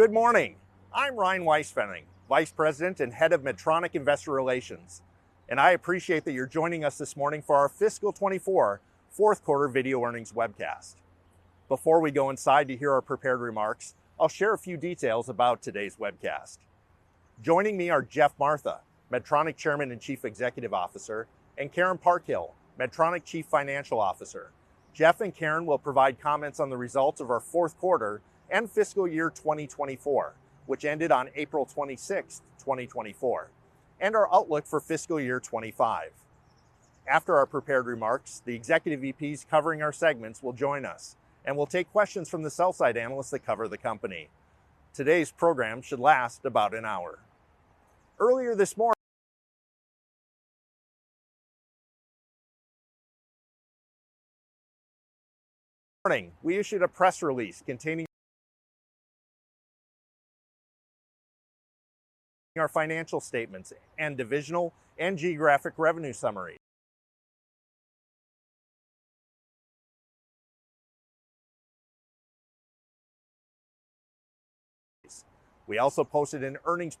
Good morning. I'm Ryan Weispfenning, Vice President and Head of Medtronic Investor Relations, and I appreciate that you're joining us this morning for our Fiscal 2024, fourth quarter video earnings webcast. Before we go inside to hear our prepared remarks, I'll share a few details about today's webcast. Joining me are Geoff Martha, Medtronic Chairman and Chief Executive Officer, and Karen Parkhill, Medtronic Chief Financial Officer. Geoff and Karen will provide comments on the results of our fourth quarter and Fiscal year 2024, which ended on April 26, 2024, and our outlook for Fiscal year 2025. After our prepared remarks, the executive VPs covering our segments will join us, and we'll take questions from the sell side analysts that cover the company. Today's program should last about an hour. Earlier this morning, we issued a press release containing our financial statements and divisional and geographic revenue summary. We also posted an earnings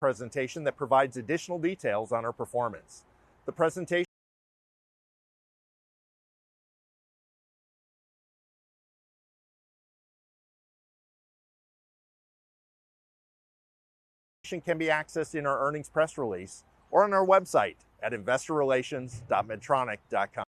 presentation that provides additional details on our performance. The presentation can be accessed in our earnings press release or on our website at investorrelations.medtronic.com.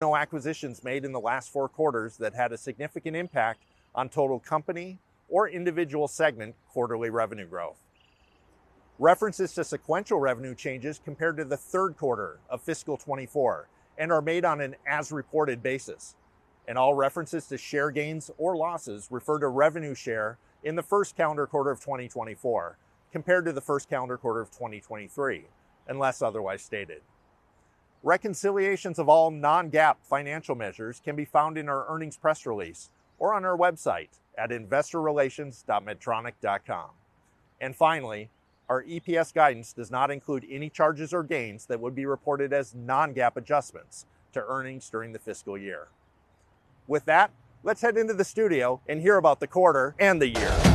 No acquisitions made in the last four quarters that had a significant impact on total company or individual segment quarterly revenue growth. References to sequential revenue changes compared to the third quarter of Fiscal 2024 and are made on an as reported basis, and all references to share gains or losses refer to revenue share in the first calendar quarter of 2024 compared to the first calendar quarter of 2023, unless otherwise stated. Reconciliations of all non-GAAP financial measures can be found in our earnings press release or on our website at investorrelations.medtronic.com. And finally, our EPS guidance does not include any charges or gains that would be reported as non-GAAP adjustments to earnings during the fiscal year. With that, let's head into the studio and hear about the quarter and the year.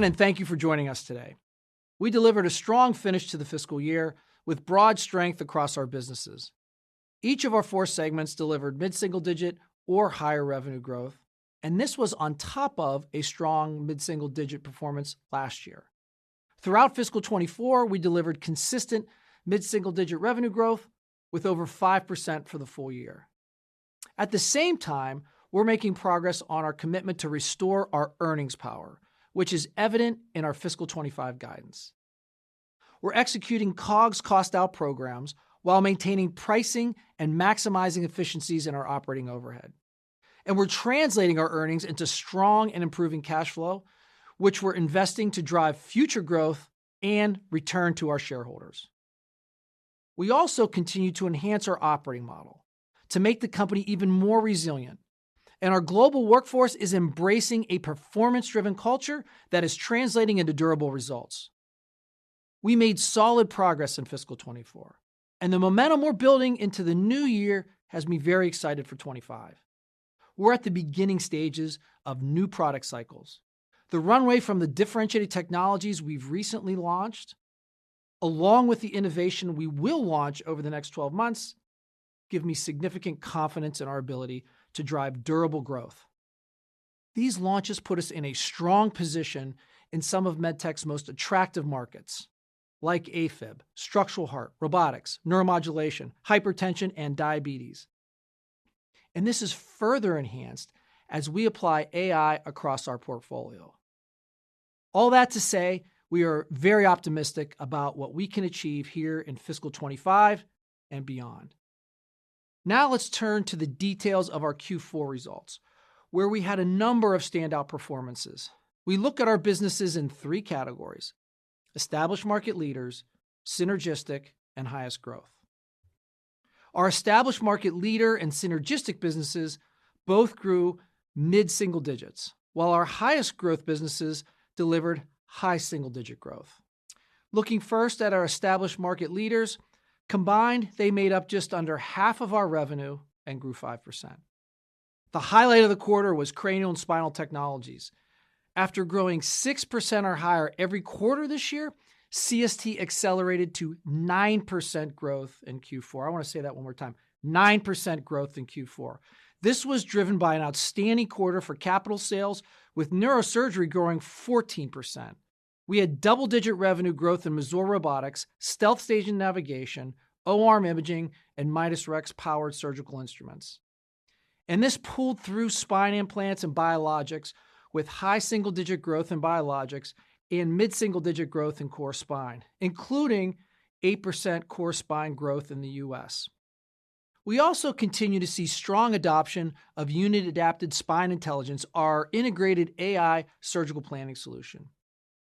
Hello, everyone, and thank you for joining us today. We delivered a strong finish to the fiscal year with broad strength across our businesses. Each of our four segments delivered mid-single-digit or higher revenue growth, and this was on top of a strong mid-single-digit performance last year. Throughout Fiscal 2024, we delivered consistent mid-single-digit revenue growth with over 5% for the full year. At the same time, we're making progress on our commitment to restore our earnings power, which is evident in our Fiscal 2025 guidance. We're executing COGS cost out programs while maintaining pricing and maximizing efficiencies in our operating overhead. We're translating our earnings into strong and improving cash flow, which we're investing to drive future growth and return to our shareholders. We also continue to enhance our operating model to make the company even more resilient, and our global workforce is embracing a performance-driven culture that is translating into durable results. We made solid progress in Fiscal 2024, and the momentum we're building into the new year has me very excited for 2025. We're at the beginning stages of new product cycles. The runway from the differentiated technologies we've recently launched, along with the innovation we will launch over the next 12 months, give me significant confidence in our ability to drive durable growth. These launches put us in a strong position in some of MedTech's most attractive markets, like AFib, structural heart, robotics, neuromodulation, hypertension, and diabetes. And this is further enhanced as we apply AI across our portfolio. All that to say, we are very optimistic about what we can achieve here in Fiscal 2025 and beyond. Now, let's turn to the details of our Q4 results, where we had a number of standout performances. We look at our businesses in three categories: established market leaders, synergistic, and highest growth. Our established market leader and synergistic businesses both grew mid-single digits, while our highest growth businesses delivered high single-digit growth. Looking first at our established market leaders, combined, they made up just under half of our revenue and grew 5%. The highlight of the quarter was Cranial and Spinal Technologies. After growing 6% or higher every quarter this year, CST accelerated to 9% growth in Q4. I wanna say that one more time, 9% growth in Q4. This was driven by an outstanding quarter for capital sales, with neurosurgery growing 14%. We had double-digit revenue growth in Mazor Robotics, StealthStation navigation, O-arm imaging, and Midas Rex powered surgical instruments. This pulled through spine implants and biologics, with high single-digit growth in biologics and mid-single-digit growth in core spine, including 8% core spine growth in the U.S. We also continue to see strong adoption of UNiD Adaptive Spine Intelligence, our integrated AI surgical planning solution.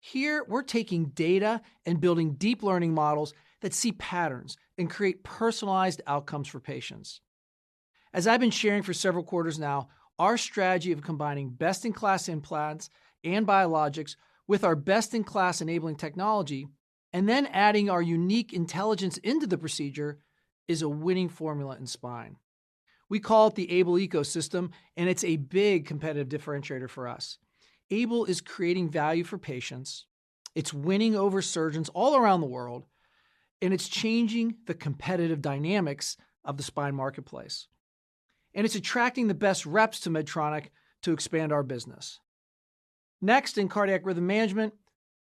Here, we're taking data and building deep learning models that see patterns and create personalized outcomes for patients. As I've been sharing for several quarters now, our strategy of combining best-in-class implants and biologics with our best-in-class enabling technology, and then adding our unique intelligence into the procedure, is a winning formula in spine. We call it the AiBLE Ecosystem, and it's a big competitive differentiator for us. AiBLE is creating value for patients, it's winning over surgeons all around the world, and it's changing the competitive dynamics of the spine marketplace. It's attracting the best reps to Medtronic to expand our business. Next, in cardiac rhythm management,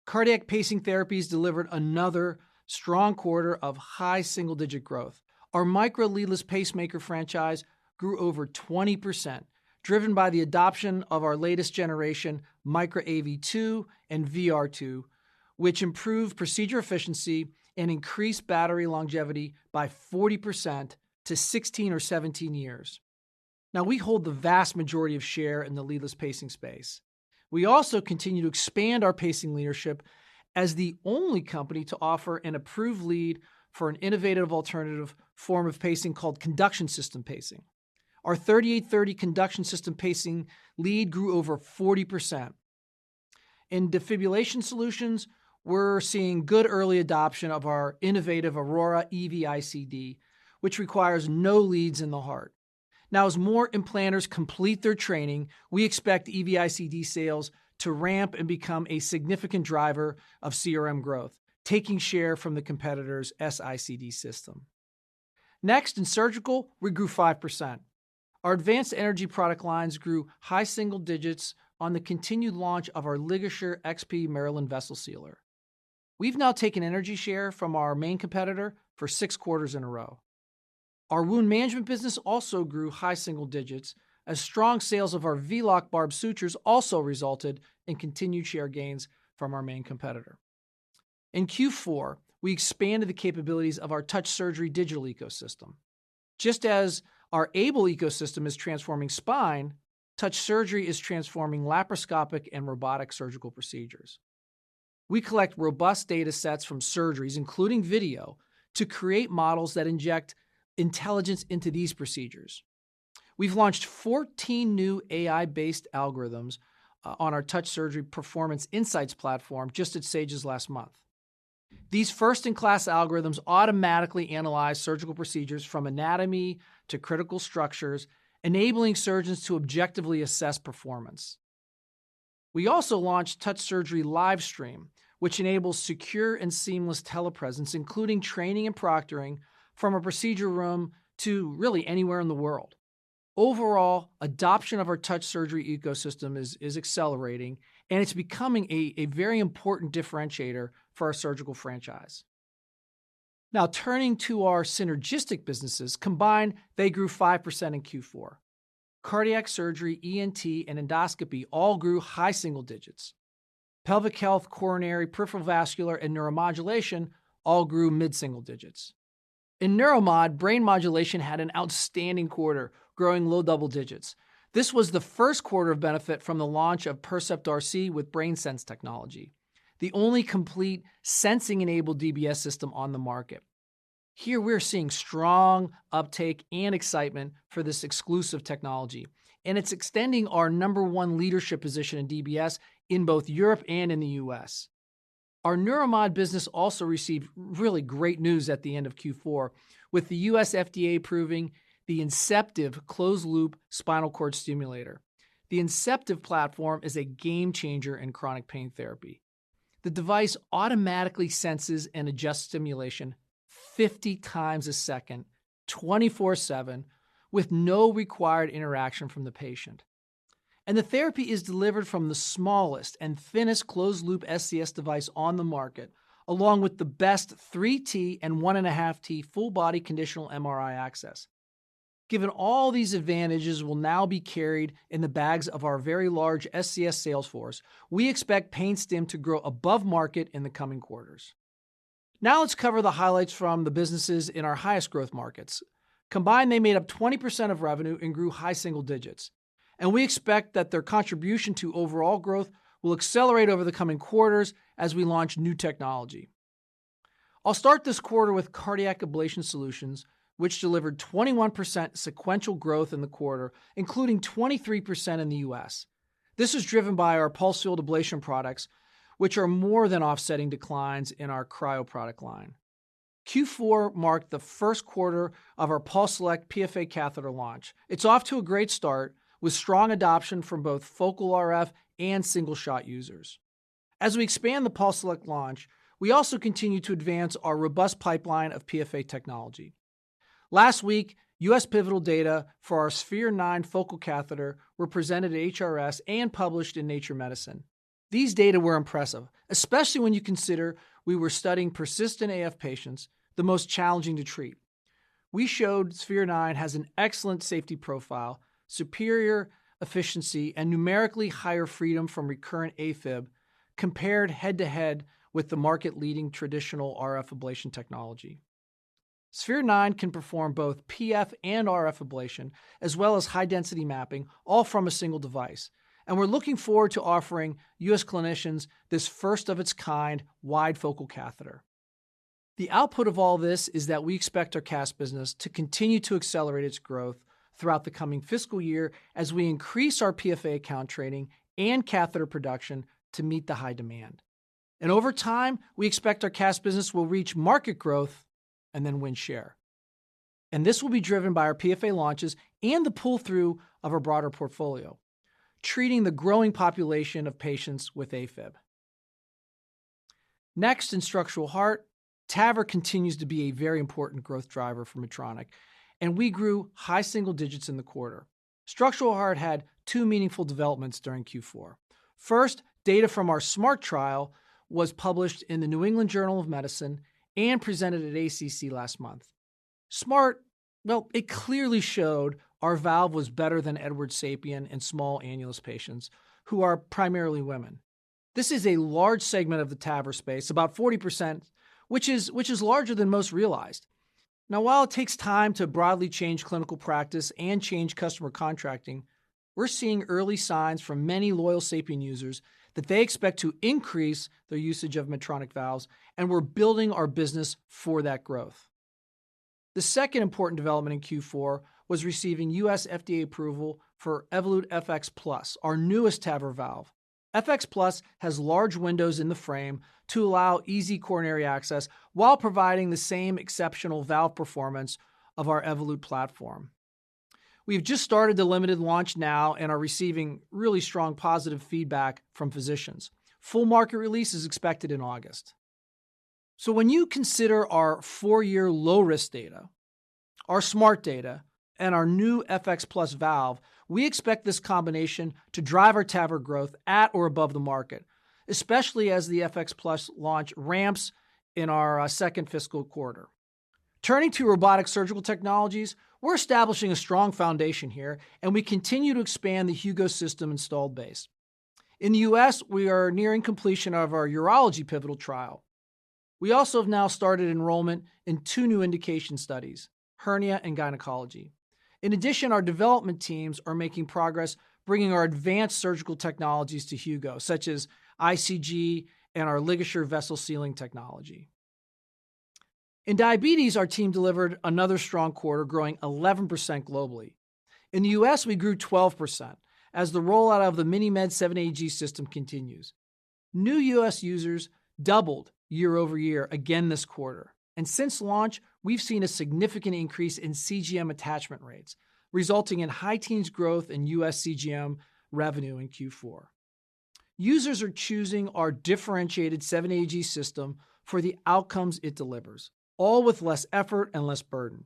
cardiac pacing therapies delivered another strong quarter of high single-digit growth. Our Micra leadless pacemaker franchise grew over 20%, driven by the adoption of our latest generation Micra AV2 and VR2, which improve procedure efficiency and increase battery longevity by 40% to 16 or 17 years. Now, we hold the vast majority of share in the leadless pacing space. We also continue to expand our pacing leadership as the only company to offer an approved lead for an innovative alternative form of pacing called conduction system pacing. Our 3830 conduction system pacing lead grew over 40%. In defibrillation solutions, we're seeing good early adoption of our innovative Aurora EV-ICD, which requires no leads in the heart. Now, as more implanters complete their training, we expect EV-ICD sales to ramp and become a significant driver of CRM growth, taking share from the competitor's S-ICD system. Next, in surgical, we grew 5%. Our advanced energy product lines grew high single digits on the continued launch of our LigaSure XP Maryland Vessel Sealer. We've now taken energy share from our main competitor for six quarters in a row. Our wound management business also grew high single digits, as strong sales of our V-Loc barbed sutures also resulted in continued share gains from our main competitor. In Q4, we expanded the capabilities of our Touch Surgery digital ecosystem. Just as our AiBLE Ecosystem is transforming spine, Touch Surgery is transforming laparoscopic and robotic surgical procedures. We collect robust data sets from surgeries, including video, to create models that inject intelligence into these procedures. We've launched 14 new AI-based algorithms on our Touch Surgery Performance Insights platform just at SAGES last month. These first-in-class algorithms automatically analyze surgical procedures from anatomy to critical structures, enabling surgeons to objectively assess performance. We also launched Touch Surgery Live Stream, which enables secure and seamless telepresence, including training and proctoring, from a procedure room to really anywhere in the world. Overall, adoption of our Touch Surgery ecosystem is accelerating, and it's becoming a very important differentiator for our surgical franchise. Now, turning to our synergistic businesses. Combined, they grew 5% in Q4. Cardiac surgery, ENT, and endoscopy all grew high single digits. Pelvic health, coronary, peripheral vascular, and neuromodulation all grew mid single digits. In neuromod, brain modulation had an outstanding quarter, growing low double digits. This was the first quarter of benefit from the launch of Percept RC with BrainSense technology, the only complete sensing-enabled DBS system on the market. Here we're seeing strong uptake and excitement for this exclusive technology, and it's extending our No. 1 leadership position in DBS in both Europe and in the U.S. Our neuromod business also received really great news at the end of Q4, with the U.S. FDA approving the Inceptiv Closed-Loop Spinal Cord Stimulator. The Inceptiv platform is a game changer in chronic pain therapy. The device automatically senses and adjusts stimulation 50 times a second, 24/7, with no required interaction from the patient. And the therapy is delivered from the smallest and thinnest closed loop SCS device on the market, along with the best 3T and 1.5T full body conditional MRI access. Given all these advantages will now be carried in the bags of our very large SCS sales force, we expect pain stim to grow above market in the coming quarters. Now let's cover the highlights from the businesses in our highest growth markets. Combined, they made up 20% of revenue and grew high single digits, and we expect that their contribution to overall growth will accelerate over the coming quarters as we launch new technology. I'll start this quarter with Cardiac Ablation Solutions, which delivered 21% sequential growth in the quarter, including 23% in the U.S. This is driven by our pulsed field ablation products, which are more than offsetting declines in our cryo product line. Q4 marked the first quarter of our PulseSelect PFA catheter launch. It's off to a great start, with strong adoption from both focal RF and single-shot users. As we expand the PulseSelect launch, we also continue to advance our robust pipeline of PFA technology. Last week, US pivotal data for our Sphere-9 focal catheter were presented at HRS and published in Nature Medicine. These data were impressive, especially when you consider we were studying persistent AF patients, the most challenging to treat. We showed Sphere-9 has an excellent safety profile, superior efficiency, and numerically higher freedom from recurrent AFib, compared head-to-head with the market-leading traditional RF ablation technology. Sphere-9 can perform both PF and RF ablation, as well as high-density mapping, all from a single device, and we're looking forward to offering US clinicians this first-of-its-kind wide focal catheter. The output of all this is that we expect our CAS business to continue to accelerate its growth throughout the coming fiscal year as we increase our PFA account training and catheter production to meet the high demand. Over time, we expect our CAS business will reach market growth and then win share. This will be driven by our PFA launches and the pull-through of our broader portfolio, treating the growing population of patients with AFib. Next, in structural heart, TAVR continues to be a very important growth driver for Medtronic, and we grew high single digits in the quarter. Structural heart had two meaningful developments during Q4. First, data from our SMART trial was published in the New England Journal of Medicine and presented at ACC last month. SMART, well, it clearly showed our valve was better than Edwards SAPIEN in small annulus patients, who are primarily women. This is a large segment of the TAVR space, about 40%, which is larger than most realized. Now, while it takes time to broadly change clinical practice and change customer contracting, we're seeing early signs from many loyal SAPIEN users that they expect to increase their usage of Medtronic valves, and we're building our business for that growth. The second important development in Q4 was receiving U.S. FDA approval for Evolut FX+, our newest TAVR valve. FX+ has large windows in the frame to allow easy coronary access while providing the same exceptional valve performance of our Evolut platform. We've just started the limited launch now and are receiving really strong, positive feedback from physicians. Full market release is expected in August. So when you consider our four-year low-risk data, our SMART data, and our new FX+ valve, we expect this combination to drive our TAVR growth at or above the market, especially as the FX+ launch ramps in our second fiscal quarter. Turning to robotic surgical technologies, we're establishing a strong foundation here, and we continue to expand the Hugo system installed base. In the U.S., we are nearing completion of our urology pivotal trial. We also have now started enrollment in two new indication studies: hernia and gynecology. In addition, our development teams are making progress bringing our advanced surgical technologies to Hugo, such as ICG and our LigaSure vessel sealing technology. In diabetes, our team delivered another strong quarter, growing 11% globally. In the U.S., we grew 12% as the rollout of the MiniMed 780G System continues. New U.S. users doubled year-over-year again this quarter, and since launch, we've seen a significant increase in CGM attachment rates, resulting in high teens growth in U.S. CGM revenue in Q4. Users are choosing our differentiated 780G system for the outcomes it delivers, all with less effort and less burden.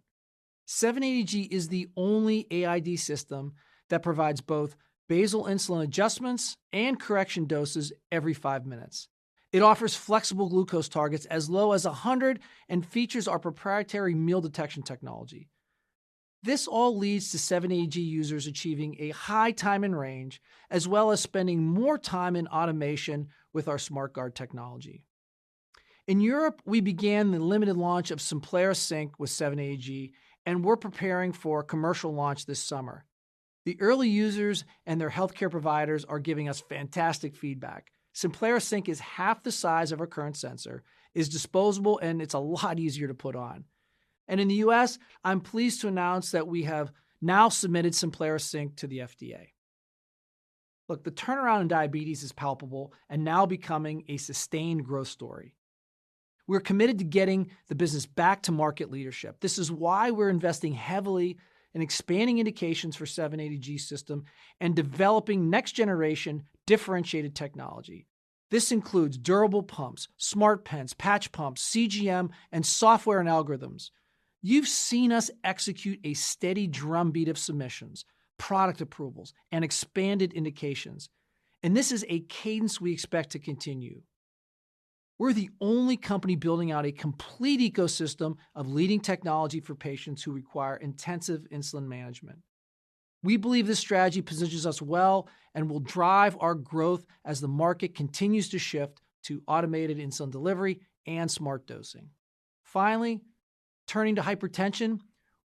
780G is the only AID system that provides both basal insulin adjustments and correction doses every 5 minutes. It offers flexible glucose targets as low as 100 and features our proprietary meal detection technology. This all leads to 780G users achieving a high time and range, as well as spending more time in automation with our SmartGuard technology. In Europe, we began the limited launch of Simplera Sync with 780G, and we're preparing for a commercial launch this summer. The early users and their healthcare providers are giving us fantastic feedback. Simplera Sync is half the size of our current sensor, is disposable, and it's a lot easier to put on. In the U.S., I'm pleased to announce that we have now submitted Simplera Sync to the FDA. Look, the turnaround in diabetes is palpable and now becoming a sustained growth story. We're committed to getting the business back to market leadership. This is why we're investing heavily in expanding indications for 780G system and developing next-generation differentiated technology. This includes durable pumps, smart pens, patch pumps, CGM, and software and algorithms. You've seen us execute a steady drumbeat of submissions, product approvals, and expanded indications, and this is a cadence we expect to continue. We're the only company building out a complete ecosystem of leading technology for patients who require intensive insulin management. We believe this strategy positions us well and will drive our growth as the market continues to shift to automated insulin delivery and smart dosing. Finally, turning to hypertension,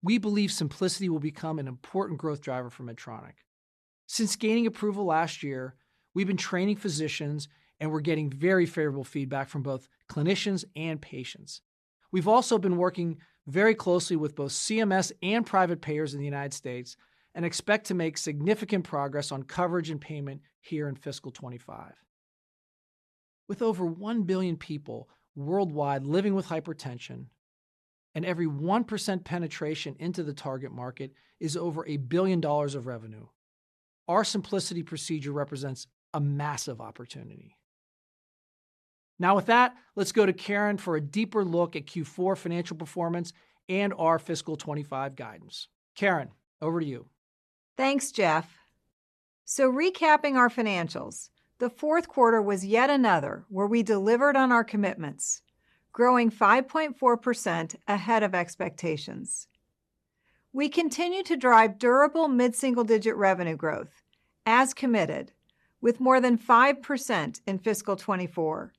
we believe Symplicity will become an important growth driver for Medtronic. Since gaining approval last year, we've been training physicians, and we're getting very favorable feedback from both clinicians and patients. We've also been working very closely with both CMS and private payers in the United States and expect to make significant progress on coverage and payment here in Fiscal 25. With over 1 billion people worldwide living with hypertension, and every 1% penetration into the target market is over $1 billion of revenue, our Symplicity procedure represents a massive opportunity. Now, with that, let's go to Karen for a deeper look at Q4 financial performance and our Fiscal 25 guidance. Karen, over to you. Thanks, Geoff. So recapping our financials, the fourth quarter was yet another where we delivered on our commitments, growing 5.4% ahead of expectations. We continue to drive durable mid-single-digit revenue growth, as committed, with more than 5% in Fiscal 2024.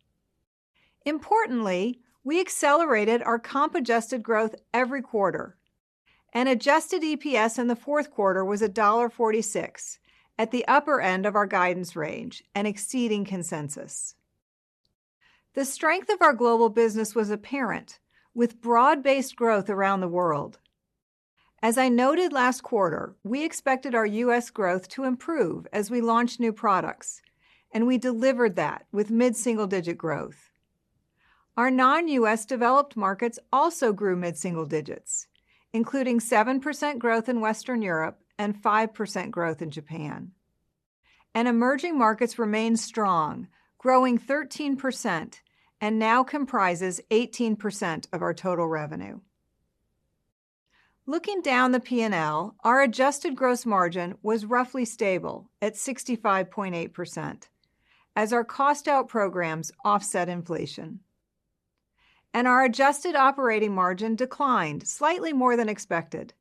Importantly, we accelerated our comp-adjusted growth every quarter, and adjusted EPS in the fourth quarter was $1.46, at the upper end of our guidance range and exceeding consensus. The strength of our global business was apparent, with broad-based growth around the world. As I noted last quarter, we expected our U.S. growth to improve as we launched new products, and we delivered that with mid-single-digit growth. Our non-U.S. developed markets also grew mid-single digits, including 7% growth in Western Europe and 5% growth in Japan. Emerging markets remained strong, growing 13%, and now comprises 18% of our total revenue. Looking down the P&L, our adjusted gross margin was roughly stable at 65.8%, as our cost-out programs offset inflation. Our adjusted operating margin declined slightly more than expected,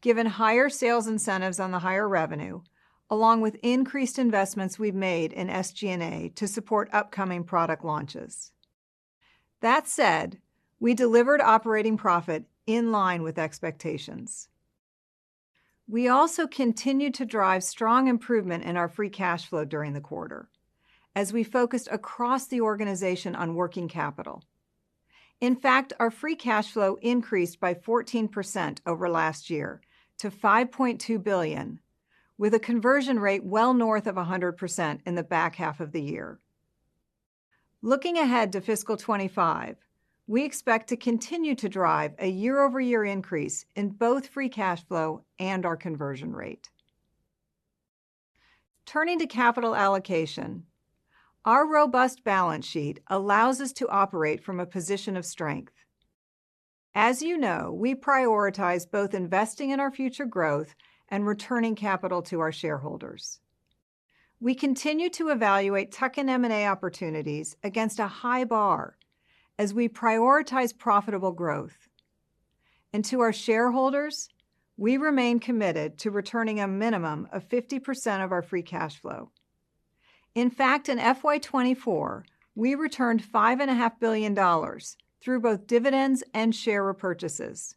given higher sales incentives on the higher revenue, along with increased investments we've made in SG&A to support upcoming product launches. That said, we delivered operating profit in line with expectations. We also continued to drive strong improvement in our free cash flow during the quarter, as we focused across the organization on working capital. In fact, our free cash flow increased by 14% over last year to $5.2 billion, with a conversion rate well north of 100% in the back half of the year. Looking ahead to Fiscal 2025, we expect to continue to drive a year-over-year increase in both free cash flow and our conversion rate. Turning to capital allocation, our robust balance sheet allows us to operate from a position of strength. As you know, we prioritize both investing in our future growth and returning capital to our shareholders. We continue to evaluate tuck-in M&A opportunities against a high bar as we prioritize profitable growth. And to our shareholders, we remain committed to returning a minimum of 50% of our free cash flow. In fact, in FY 2024, we returned $5.5 billion through both dividends and share repurchases.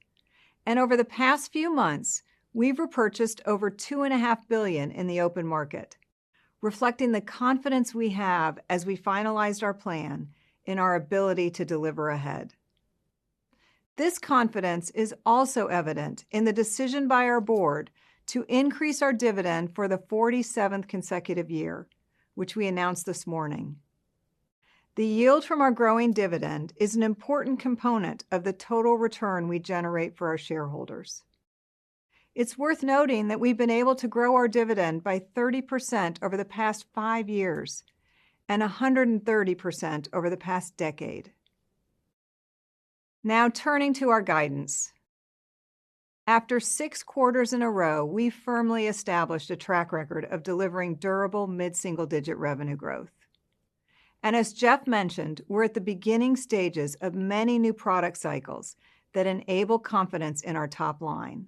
And over the past few months, we've repurchased over $2.5 billion in the open market, reflecting the confidence we have as we finalized our plan in our ability to deliver ahead. This confidence is also evident in the decision by our board to increase our dividend for the 47th consecutive year, which we announced this morning. The yield from our growing dividend is an important component of the total return we generate for our shareholders. It's worth noting that we've been able to grow our dividend by 30% over the past five years and 130% over the past decade. Now, turning to our guidance. After six quarters in a row, we firmly established a track record of delivering durable mid-single-digit revenue growth. And as Geoff mentioned, we're at the beginning stages of many new product cycles that enable confidence in our top line.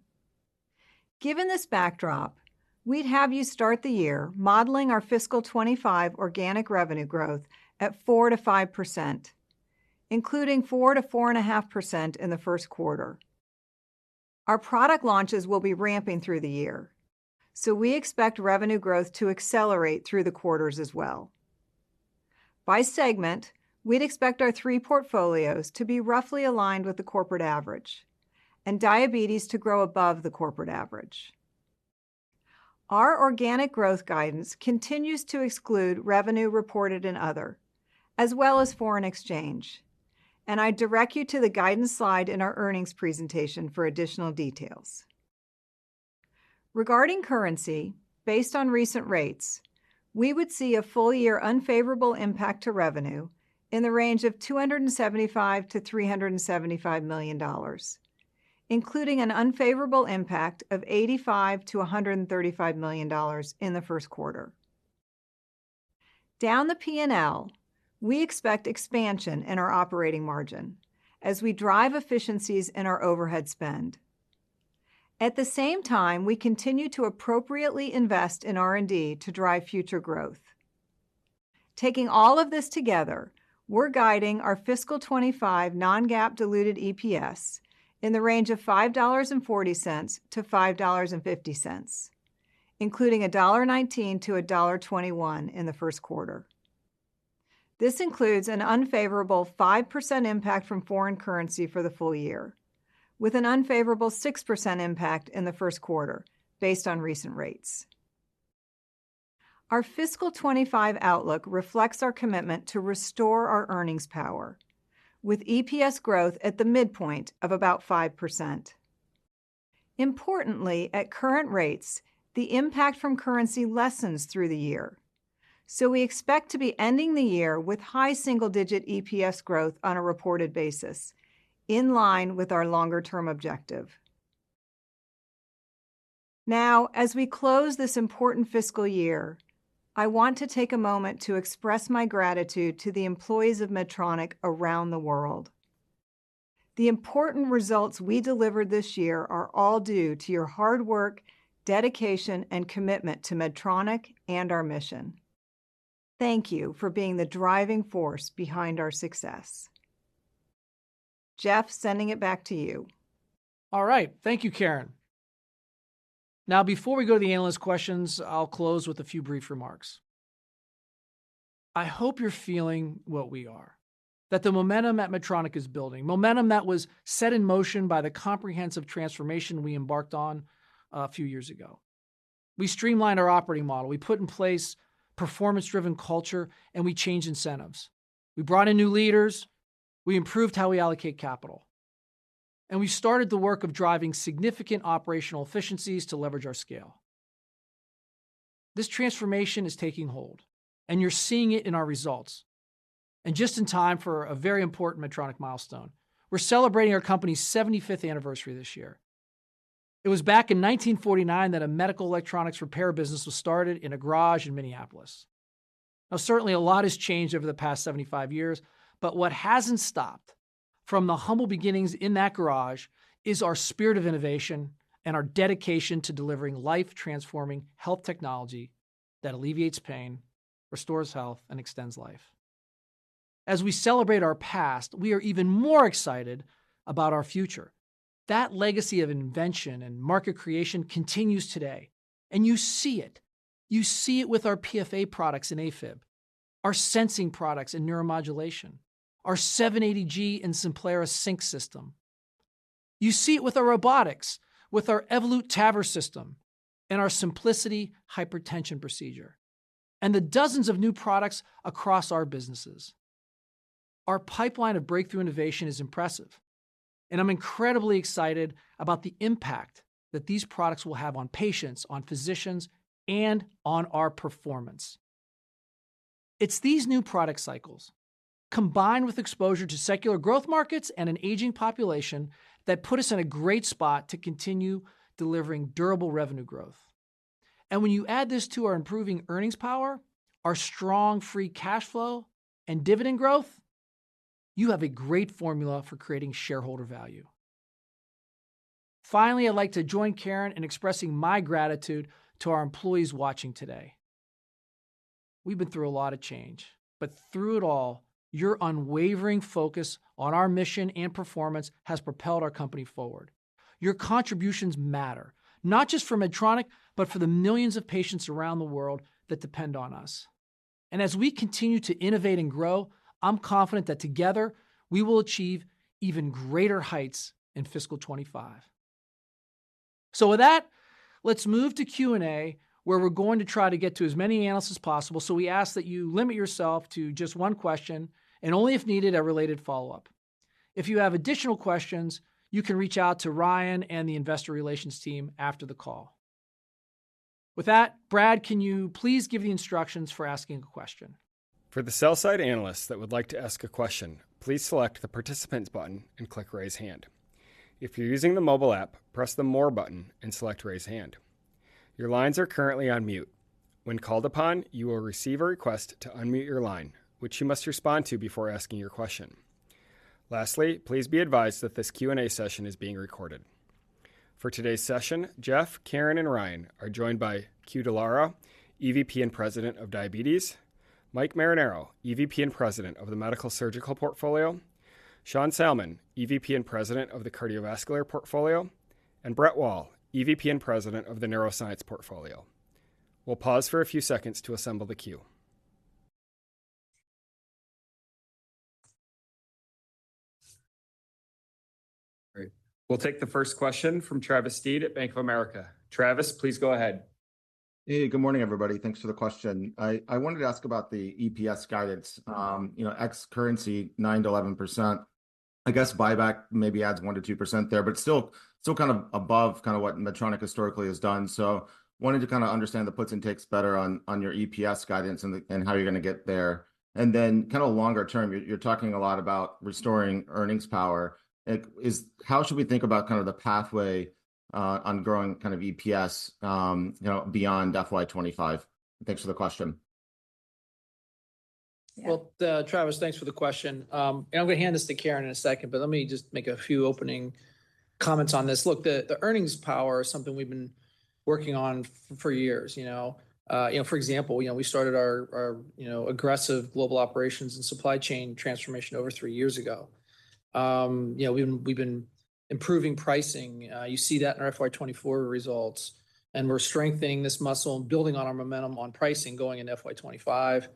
Given this backdrop, we'd have you start the year modeling our Fiscal 2025 organic revenue growth at 4% to 5%, including 4% to 4.5% in the first quarter. Our product launches will be ramping through the year, so we expect revenue growth to accelerate through the quarters as well. By segment, we'd expect our three portfolios to be roughly aligned with the corporate average and diabetes to grow above the corporate average. Our organic growth guidance continues to exclude revenue reported in other, as well as foreign exchange, and I direct you to the guidance slide in our earnings presentation for additional details. Regarding currency, based on recent rates, we would see a full-year unfavorable impact to revenue in the range of $275 million to $375 million, including an unfavorable impact of $85 million to $135 million in the first quarter. Down the P&L, we expect expansion in our operating margin as we drive efficiencies in our overhead spend. At the same time, we continue to appropriately invest in R&D to drive future growth. Taking all of this together, we're guiding our Fiscal 2025 non-GAAP diluted EPS in the range of $5.40 to $5.50, including $1.19 to $1.21 in the first quarter. This includes an unfavorable 5% impact from foreign currency for the full year with an unfavorable 6% impact in the first quarter, based on recent rates. Our Fiscal 2025 outlook reflects our commitment to restore our earnings power, with EPS growth at the midpoint of about 5%. Importantly, at current rates, the impact from currency lessens through the year, so we expect to be ending the year with high single-digit EPS growth on a reported basis, in line with our longer-term objective. Now, as we close this important fiscal year, I want to take a moment to express my gratitude to the employees of Medtronic around the world. The important results we delivered this year are all due to your hard work, dedication, and commitment to Medtronic and our mission. Thank you for being the driving force behind our success. Geoff, sending it back to you. All right. Thank you, Karen. Now, before we go to the analyst questions, I'll close with a few brief remarks. I hope you're feeling what we are, that the momentum at Medtronic is building, momentum that was set in motion by the comprehensive transformation we embarked on a few years ago. We streamlined our operating model. We put in place performance-driven culture, and we changed incentives. We brought in new leaders, we improved how we allocate capital, and we started the work of driving significant operational efficiencies to leverage our scale. This transformation is taking hold, and you're seeing it in our results, and just in time for a very important Medtronic milestone. We're celebrating our company's 75th anniversary this year. It was back in 1949 that a medical electronics repair business was started in a garage in Minneapolis. Now, certainly, a lot has changed over the past 75 years, but what hasn't stopped from the humble beginnings in that garage is our spirit of innovation and our dedication to delivering life-transforming health technology that alleviates pain, restores health, and extends life. As we celebrate our past, we are even more excited about our future. That legacy of invention and market creation continues today, and you see it. You see it with our PFA products in AFib, our sensing products in neuromodulation, our 780G in Simplera Sync system. You see it with our robotics, with our Evolut TAVR system, and our Symplicity hypertension procedure, and the dozens of new products across our businesses. Our pipeline of breakthrough innovation is impressive, and I'm incredibly excited about the impact that these products will have on patients, on physicians, and on our performance. It's these new product cycles, combined with exposure to secular growth markets and an aging population, that put us in a great spot to continue delivering durable revenue growth. When you add this to our improving earnings power, our strong free cash flow and dividend growth, you have a great formula for creating shareholder value. Finally, I'd like to join Karen in expressing my gratitude to our employees watching today. We've been through a lot of change, but through it all, your unwavering focus on our mission and performance has propelled our company forward. Your contributions matter, not just for Medtronic, but for the millions of patients around the world that depend on us. As we continue to innovate and grow, I'm confident that together, we will achieve even greater heights in Fiscal 25. So with that, let's move to Q&A, where we're going to try to get to as many analysts as possible, so we ask that you limit yourself to just one question and only, if needed, a related follow-up. If you have additional questions, you can reach out to Ryan and the investor relations team after the call. With that, Brad, can you please give the instructions for asking a question? For the sell-side analysts that would like to ask a question, please select the Participants button and click Raise Hand. If you're using the mobile app, press the More button and select Raise Hand. Your lines are currently on mute. When called upon, you will receive a request to unmute your line, which you must respond to before asking your question. Lastly, please be advised that this Q&A session is being recorded. For today's session, Geoff, Karen, and Ryan are joined by Que Dallara, EVP and President of Diabetes, Mike Marinaro, EVP and President of the Medical Surgical Portfolio, Sean Salmon, EVP and President of the Cardiovascular Portfolio, and Brett Wall, EVP and President of the Neuroscience Portfolio. We'll pause for a few seconds to assemble the queue. Great. We'll take the first question from Travis Steed at Bank of America. Travis, please go ahead. Hey, good morning, everybody. Thanks for the question. I wanted to ask about the EPS guidance. You know, ex currency, 9%-11%. I guess buyback maybe adds 1%-2% there, but still, still kind of above kinda what Medtronic historically has done. So wanted to kinda understand the puts and takes better on, on your EPS guidance and the, and how you're gonna get there. And then kinda longer term, you're talking a lot about restoring earnings power. How should we think about kind of the pathway on growing kind of EPS, you know, beyond FY 2025? Thanks for the question. Yeah. Well, Travis, thanks for the question. And I'm gonna hand this to Karen in a second, but let me just make a few opening comments on this. Look, the earnings power is something we've been working on for years, you know. You know, for example, you know, we started our aggressive global operations and supply chain transformation over three years ago. You know, we've been improving pricing. You see that in our FY 2024 results, and we're strengthening this muscle and building on our momentum on pricing going in FY 2025.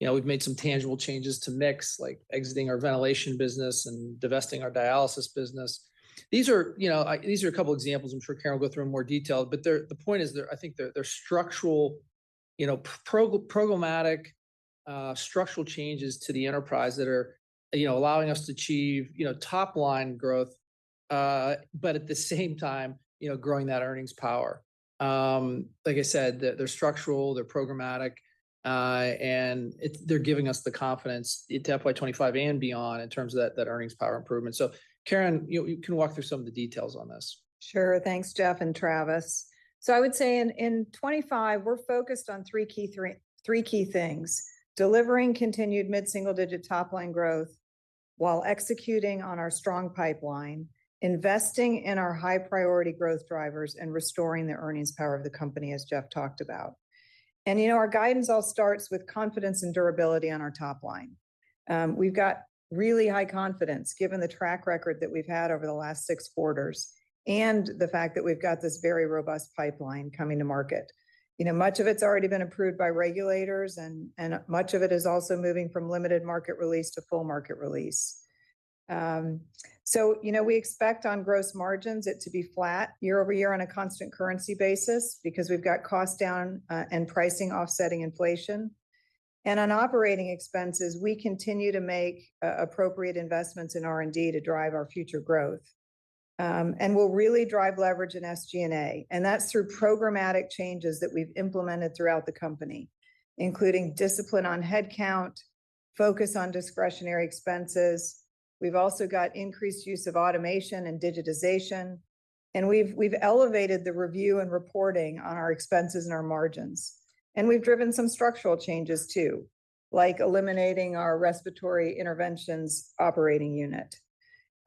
You know, we've made some tangible changes to mix, like exiting our ventilation business and divesting our dialysis business. These are, you know, these are a couple examples. I'm sure Karen will go through in more detail, but the point is they're, I think, they're structural, you know, programmatic structural changes to the enterprise that are, you know, allowing us to achieve, you know, top-line growth, but at the same time, you know, growing that earnings power. Like I said, they're structural, they're programmatic, and they're giving us the confidence into FY 25 and beyond in terms of that earnings power improvement. So, Karen, you can walk through some of the details on this. Sure. Thanks, Geoff and Travis. So I would say in 2025, we're focused on three key things: delivering continued mid-single-digit top-line growth while executing on our strong pipeline, investing in our high-priority growth drivers, and restoring the earnings power of the company, as Geoff talked about. You know, our guidance all starts with confidence and durability on our top line. We've got really high confidence, given the track record that we've had over the last 6 quarters and the fact that we've got this very robust pipeline coming to market. You know, much of it's already been approved by regulators, and much of it is also moving from limited market release to full market release. So, you know, we expect on gross margins it to be flat year over year on a constant currency basis because we've got cost down, and pricing offsetting inflation. And on operating expenses, we continue to make appropriate investments in R&D to drive our future growth. And we'll really drive leverage in SG&A, and that's through programmatic changes that we've implemented throughout the company, including discipline on headcount, focus on discretionary expenses. We've also got increased use of automation and digitization, and we've elevated the review and reporting on our expenses and our margins. And we've driven some structural changes, too, like eliminating our Respiratory Interventions operating unit.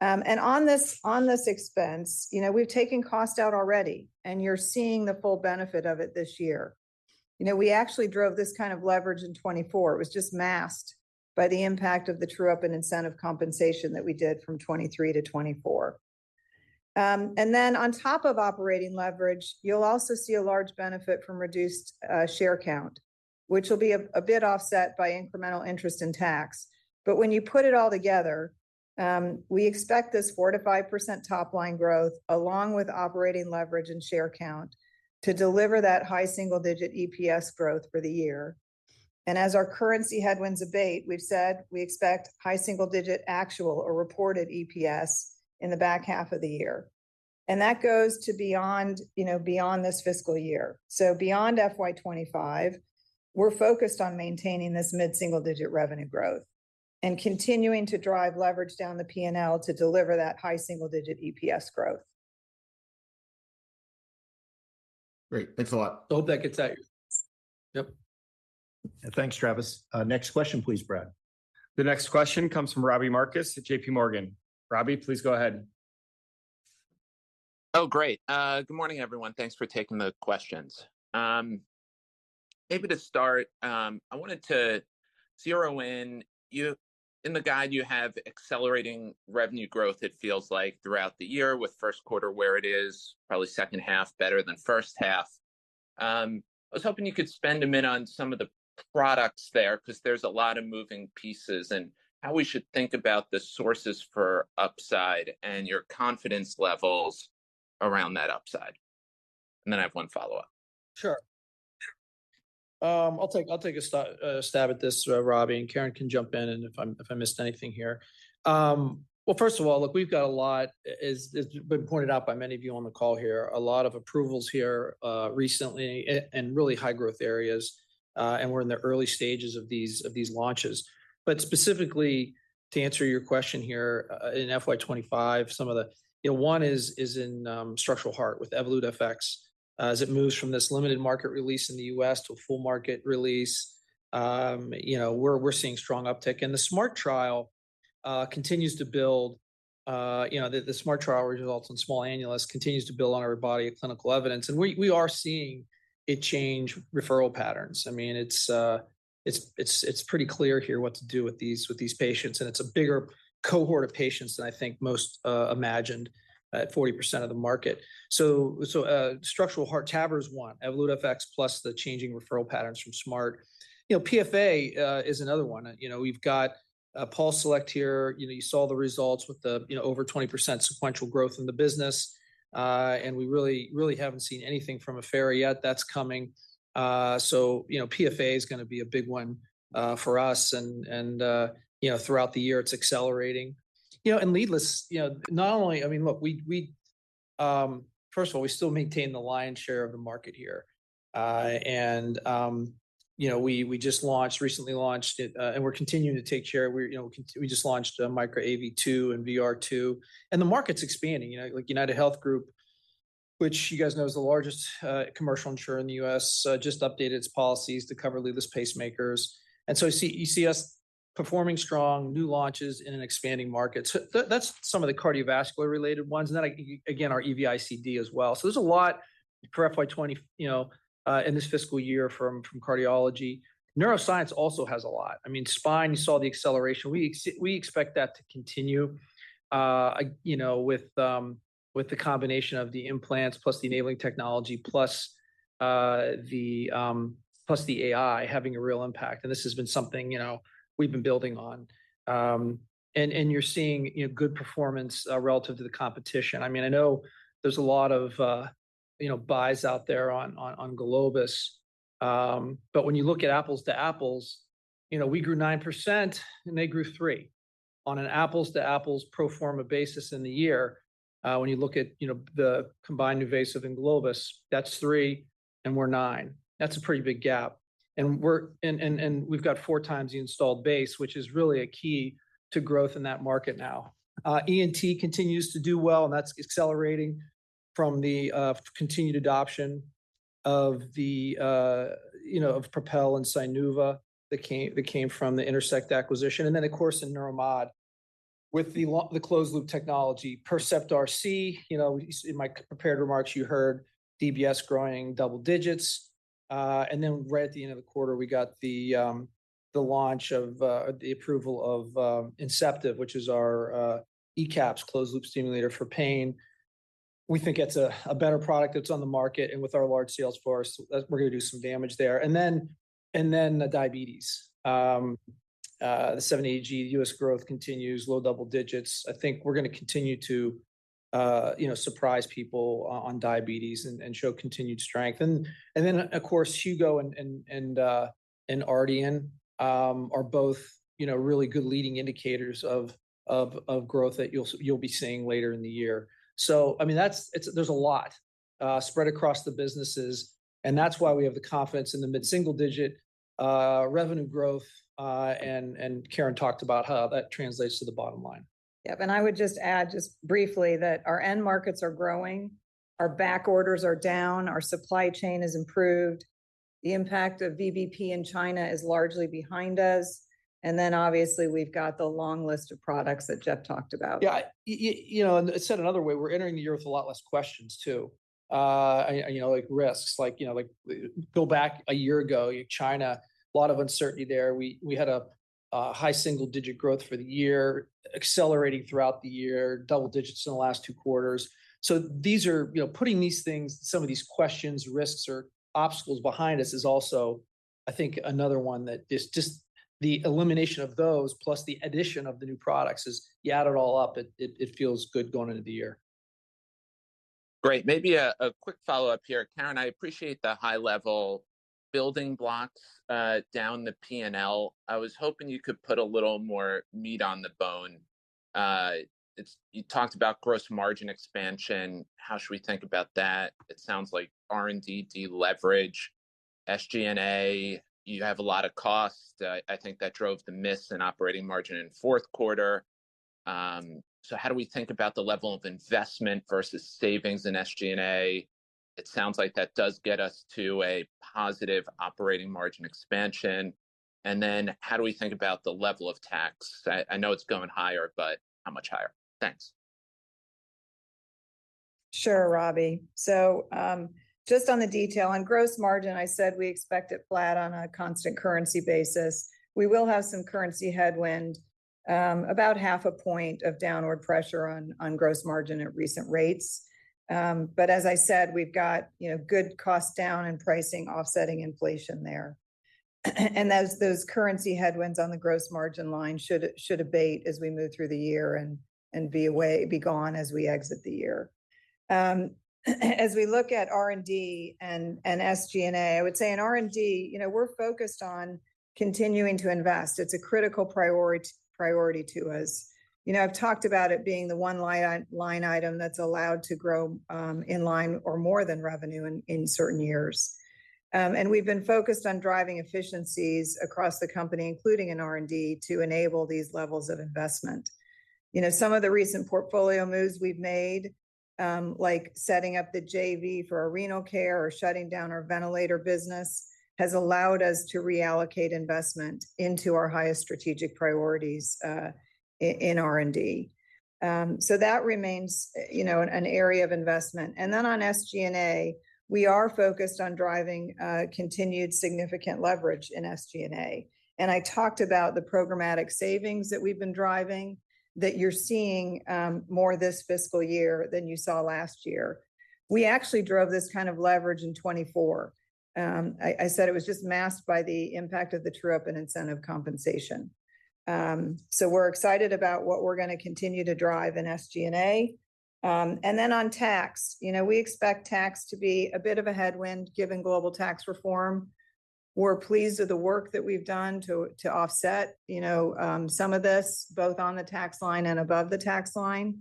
And on this expense, you know, we've taken cost out already, and you're seeing the full benefit of it this year. You know, we actually drove this kind of leverage in 2024. It was just masked by the impact of the true-up and incentive compensation that we did from 2023 to 2024. And then on top of operating leverage, you'll also see a large benefit from reduced share count, which will be a bit offset by incremental interest in tax. But when you put it all together, we expect this 4%-5% top-line growth, along with operating leverage and share count, to deliver that high single-digit EPS growth for the year. And as our currency headwinds abate, we've said we expect high single-digit actual or reported EPS in the back half of the year. And that goes to beyond, you know, beyond this fiscal year. So beyond FY 2025, we're focused on maintaining this mid-single-digit revenue growth and continuing to drive leverage down the P&L to deliver that high single-digit EPS growth. Great. Thanks a lot. Hope that gets at your. Yep. Thanks, Travis. Next question, please, Brad. The next question comes from Robbie Marcus at JP Morgan. Robbie, please go ahead. Oh, great. Good morning, everyone. Thanks for taking the questions. Maybe to start, I wanted to zero in. You-- in the guide, you have accelerating revenue growth, it feels like, throughout the year, with first quarter where it is, probably second half better than first half. I was hoping you could spend a minute on some of the products there, 'cause there's a lot of moving pieces, and how we should think about the sources for upside and your confidence levels around that upside. And then I have one follow-up. Sure. I'll take a stab at this, Robbie, and Karen can jump in and if I missed anything here. Well, first of all, look, we've got a lot, as has been pointed out by many of you on the call here, a lot of approvals here, recently and really high growth areas, and we're in the early stages of these launches. But specifically, to answer your question here, in FY25, some of the you know, one is in structural heart with Evolut FX. As it moves from this limited market release in the U.S. to a full market release, you know, we're seeing strong uptick. And the SMART trial continues to build, you know the SMART trial results in small annulus continues to build on our body of clinical evidence, and we are seeing it change referral patterns. I mean, it's pretty clear here what to do with these patients, and it's a bigger cohort of patients than I think most imagined at 40% of the market. So, structural heart, TAVR is one, Evolut FX+ the changing referral patterns from SMART. You know, PFA is another one. You know, we've got PulseSelect here. You know, you saw the results with the over 20% sequential growth in the business, and we really, really haven't seen anything from Affera yet. That's coming. So, you know, PFA is gonna be a big one for us, and you know, throughout the year, it's accelerating. You know, and leadless, you know, not only—I mean, look, we first of all, we still maintain the lion's share of the market here. And you know, we just launched, recently launched it, and we're continuing to take share. We're, you know, we just launched Micra AV2 and VR2, and the market's expanding. You know, like UnitedHealth Group, which you guys know is the largest commercial insurer in the U.S., just updated its policies to cover leadless pacemakers. And so you see us performing strong, new launches in an expanding market. So that, that's some of the cardiovascular-related ones, and then, again, our EV-ICD as well. So there's a lot for FY 20, you know, in this fiscal year from cardiology. Neuroscience also has a lot. I mean, spine, you saw the acceleration. We expect that to continue, you know, with the combination of the implants, plus the enabling technology, plus the AI having a real impact, and this has been something, you know, we've been building on. And you're seeing, you know, good performance relative to the competition. I mean, I know there's a lot of, you know, buys out there on Globus. But when you look at apples to apples, you know, we grew 9%, and they grew 3%. On an apples to apples pro forma basis in the year, when you look at the combined NuVasive and Globus, that's three, and we're nine. That's a pretty big gap, and we're and we've got four times the installed base, which is really a key to growth in that market now. ENT continues to do well, and that's accelerating from the continued adoption of, you know, Propel and Sinuva that came from the Intersect acquisition, and then, of course, in Neuromod. With the closed loop technology, Percept RC, you know, in my prepared remarks, you heard DBS growing double digits. And then right at the end of the quarter, we got the launch of the approval of Inceptiv, which is our ECAPs closed loop stimulator for pain. We think it's a better product that's on the market, and with our large sales force, we're gonna do some damage there. And then the diabetes. The 780G growth continues, low double digits. I think we're gonna continue to, you know, surprise people on diabetes and show continued strength. Then, of course, Hugo and RDN are both, you know, really good leading indicators of growth that you'll be seeing later in the year. I mean, that's it's, there's a lot spread across the businesses, and that's why we have the confidence in the mid-single-digit revenue growth, and Karen talked about how that translates to the bottom line. Yep, and I would just add, just briefly, that our end markets are growing, our back orders are down, our supply chain has improved, the impact of VBP in China is largely behind us, and then obviously, we've got the long list of products that Geoff talked about. Yeah, you know, and said another way, we're entering the year with a lot less questions, too. And, you know, like risks, like, you know, like go back a year ago, China, a lot of uncertainty there. We had a high single-digit growth for the year, accelerating throughout the year, double digits in the last two quarters. So these are you know, putting these things, some of these questions, risks, or obstacles behind us is also, I think, another one that is just the elimination of those, plus the addition of the new products is you add it all up, it, it, it feels good going into the year. Great. Maybe a quick follow-up here. Karen, I appreciate the high-level building blocks down the P&L. I was hoping you could put a little more meat on the bone. It's you talked about gross margin expansion. How should we think about that? It sounds like R&D deleverage, SG&A, you have a lot of costs. I think that drove the miss in operating margin in fourth quarter. So how do we think about the level of investment versus savings in SG&A? It sounds like that does get us to a positive operating margin expansion. And then how do we think about the level of tax? I know it's going higher, but how much higher? Thanks. Sure, Robbie. So, just on the detail, on gross margin, I said we expect it flat on a constant currency basis. We will have some currency headwind, about half a point of downward pressure on gross margin at recent rates. But as I said, we've got, you know, good cost down and pricing offsetting inflation there. And as those currency headwinds on the gross margin line should abate as we move through the year and be gone as we exit the year. As we look at R&D and SG&A, I would say in R&D, you know, we're focused on continuing to invest. It's a critical priority to us. You know, I've talked about it being the one line item that's allowed to grow in line or more than revenue in certain years. And we've been focused on driving efficiencies across the company, including in R&D, to enable these levels of investment. You know, some of the recent portfolio moves we've made, like setting up the JV for our renal care or shutting down our ventilator business, has allowed us to reallocate investment into our highest strategic priorities, in R&D. So that remains, you know, an area of investment. And then on SG&A, we are focused on driving, continued significant leverage in SG&A. And I talked about the programmatic savings that we've been driving, that you're seeing, more this fiscal year than you saw last year. We actually drove this kind of leverage in 2024. I said it was just masked by the impact of the true-up and incentive compensation. So we're excited about what we're gonna continue to drive in SG&A. Then on tax, you know, we expect tax to be a bit of a headwind, given global tax reform. We're pleased with the work that we've done to offset, you know, some of this, both on the tax line and above the tax line.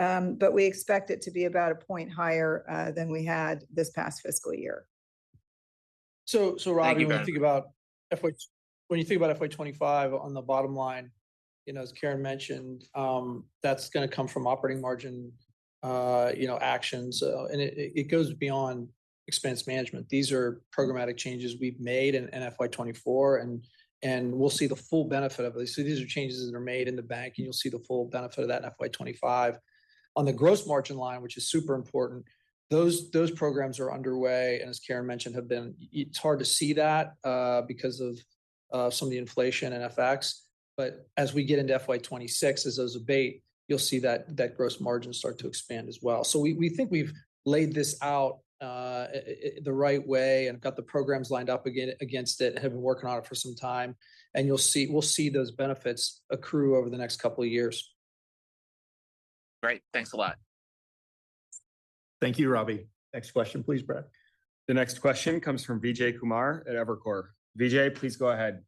We expect it to be about a point higher than we had this past fiscal year. So, Robbie. Thank you, Karen. When you think about FY 25 on the bottom line, you know, as Karen mentioned, that's gonna come from operating margin, you know, actions. And it goes beyond expense management. These are programmatic changes we've made in FY 24, and we'll see the full benefit of this. So these are changes that are made in the bank, and you'll see the full benefit of that in FY 25. On the gross margin line, which is super important, those programs are underway, and as Karen mentioned, have been. It's hard to see that, because of some of the inflation and FX, but as we get into FY 26, as those abate, you'll see that gross margin start to expand as well. So we think we've laid this out the right way and got the programs lined up again against it, and have been working on it for some time. And you'll see, we'll see those benefits accrue over the next couple of years. Great. Thanks a lot. Thank you, Robbie. Next question please, Brad. The next question comes from Vijay Kumar at Evercore. Vijay, please go ahead.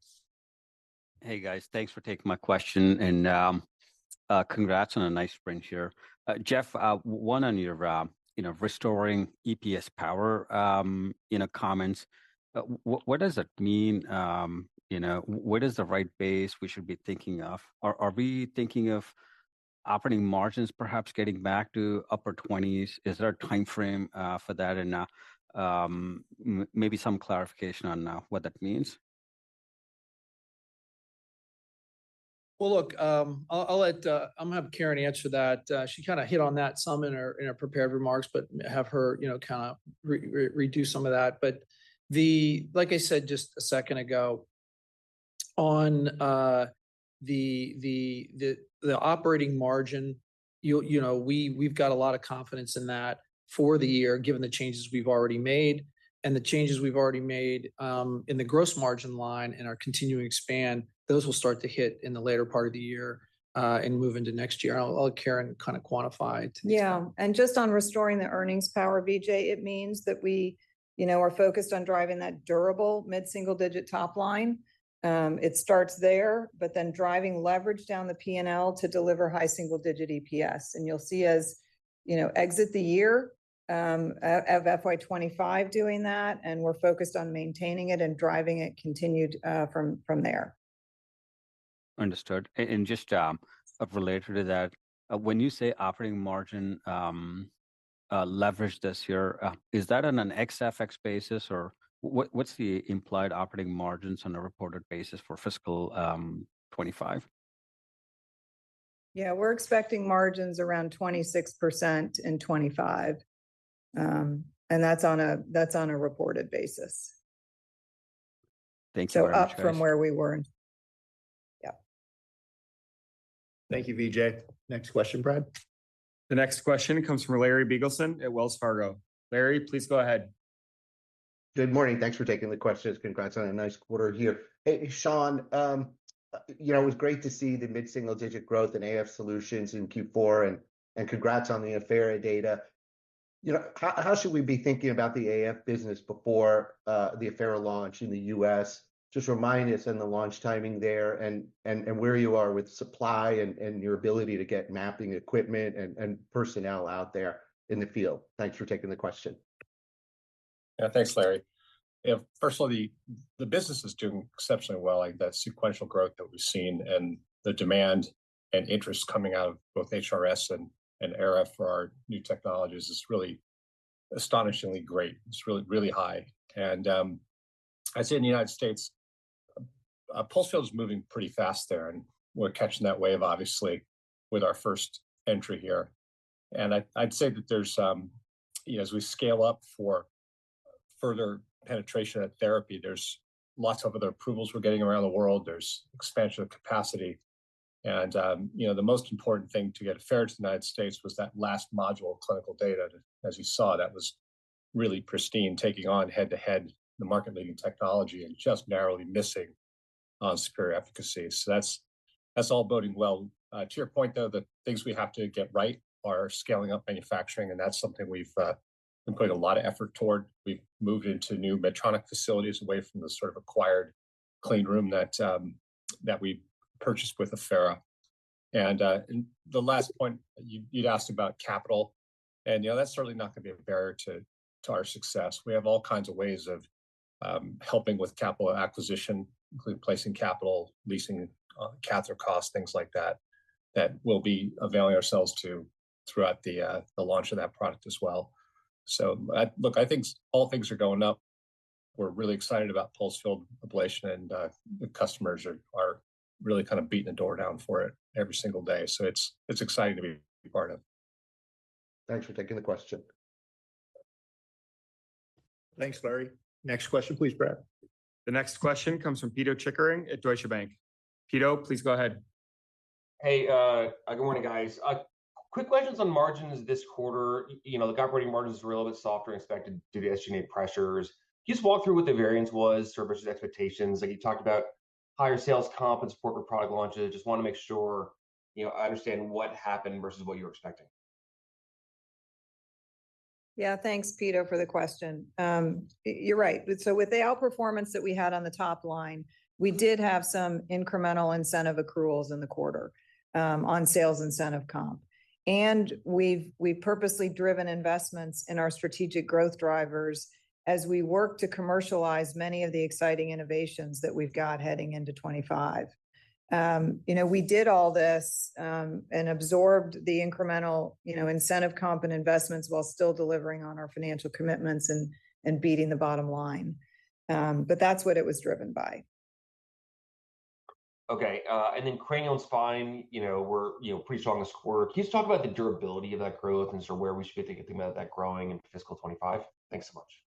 Hey, guys. Thanks for taking my question, and, congrats on a nice print here. Geoff, one on your, you know, restoring EPS growth, in your comments. What does it mean, you know what is the right base we should be thinking of? Are we thinking of operating margins perhaps getting back to upper 20s? Is there a timeframe, for that? And, maybe some clarification on, what that means. Well, look, I'll let I'm going to have Karen answer that. She kind of hit on that some in her prepared remarks, but have her, you know, kind of redo some of that. But like I said just a second ago, on the operating margin, you know, we've got a lot of confidence in that for the year, given the changes we've already made. And the changes we've already made, in the gross margin line and our continuing expansion, those will start to hit in the later part of the year, and move into next year. I'll let Karen kind of quantify this- Yeah. And just on restoring the earnings power, Vijay, it means that we, you know, are focused on driving that durable mid-single-digit top line. It starts there, but then driving leverage down the P&L to deliver high single-digit EPS. And you'll see us, you know, exit the year of FY 2025 doing that, and we're focused on maintaining it and driving it continued from there. Understood. And just related to that, when you say operating margin leverage this year, is that on an XFX basis, or what's the implied operating margins on a reported basis for Fiscal 2025? Yeah, we're expecting margins around 26% in 2025. And that's on a, that's on a reported basis. Thank you very much, Karen. So up from where we were. Yeah. Thank you, Vijay. Next question, Brad. The next question comes from Larry Biegelsen at Wells Fargo. Larry, please go ahead. Good morning. Thanks for taking the questions. Congrats on a nice quarter here. Hey, Sean, you know, it was great to see the mid-single-digit growth in AF solutions in Q4, and congrats on the Affera data. You know, how should we be thinking about the AF business before the Affera launch in the US? Just remind us in the launch timing there, and where you are with supply and your ability to get mapping equipment and personnel out there in the field. Thanks for taking the question. Yeah, thanks, Larry. Yeah, first of all, the business is doing exceptionally well. Like, the sequential growth that we've seen and the demand and interest coming out of both HRS and EHRA for our new technologies is really astonishingly great. It's really, really high. And, I'd say in the United States, pulsed field is moving pretty fast there, and we're catching that wave, obviously, with our first entry here. And I'd say that there's, you know, as we scale up for further penetration of therapy, there's lots of other approvals we're getting around the world. There's expansion of capacity, and, you know, the most important thing to get Affera to the United States was that last module of clinical data. As you saw, that was really pristine, taking on head-to-head the market-leading technology and just narrowly missing, superior efficacy. So that's, that's all boding well. To your point, though, the things we have to get right are scaling up manufacturing, and that's something we've put a lot of effort toward. We've moved into new Medtronic facilities away from the sort of acquired clean room that we purchased with Affera. The last point, you, you'd asked about capital, and, you know, that's certainly not going to be a barrier to our success. We have all kinds of ways of helping with capital acquisition, including placing capital, leasing, catheter costs, things like that, that we'll be availing ourselves to throughout the launch of that product as well. Look, I think all things are going up. We're really excited about pulsed field ablation, and the customers are really kind of beating the door down for it every single day. So it's exciting to be a part of. Thanks for taking the question. Thanks, Larry. Next question, please, Brad. The next question comes from Pito Chickering at Deutsche Bank. Pito, please go ahead. Hey, good morning, guys. Quick questions on margins this quarter. You know, the operating margins were a little bit softer than expected due to SG&A pressures. Can you just walk through what the variance was versus expectations? Like, you talked about higher sales comp and support for product launches. Just want to make sure, you know, I understand what happened versus what you were expecting. Yeah, thanks, Pito, for the question. You're right. So with the outperformance that we had on the top line, we did have some incremental incentive accruals in the quarter on sales incentive comp. And we've purposely driven investments in our strategic growth drivers as we work to commercialize many of the exciting innovations that we've got heading into 25. You know, we did all this and absorbed the incremental incentive comp and investments while still delivering on our financial commitments and beating the bottom line. But that's what it was driven by. Okay, and then cranial and spine, you know, were, you know, pretty strong this quarter. Can you just talk about the durability of that growth and sort of where we should be thinking about that growing in Fiscal 25? Thanks so much.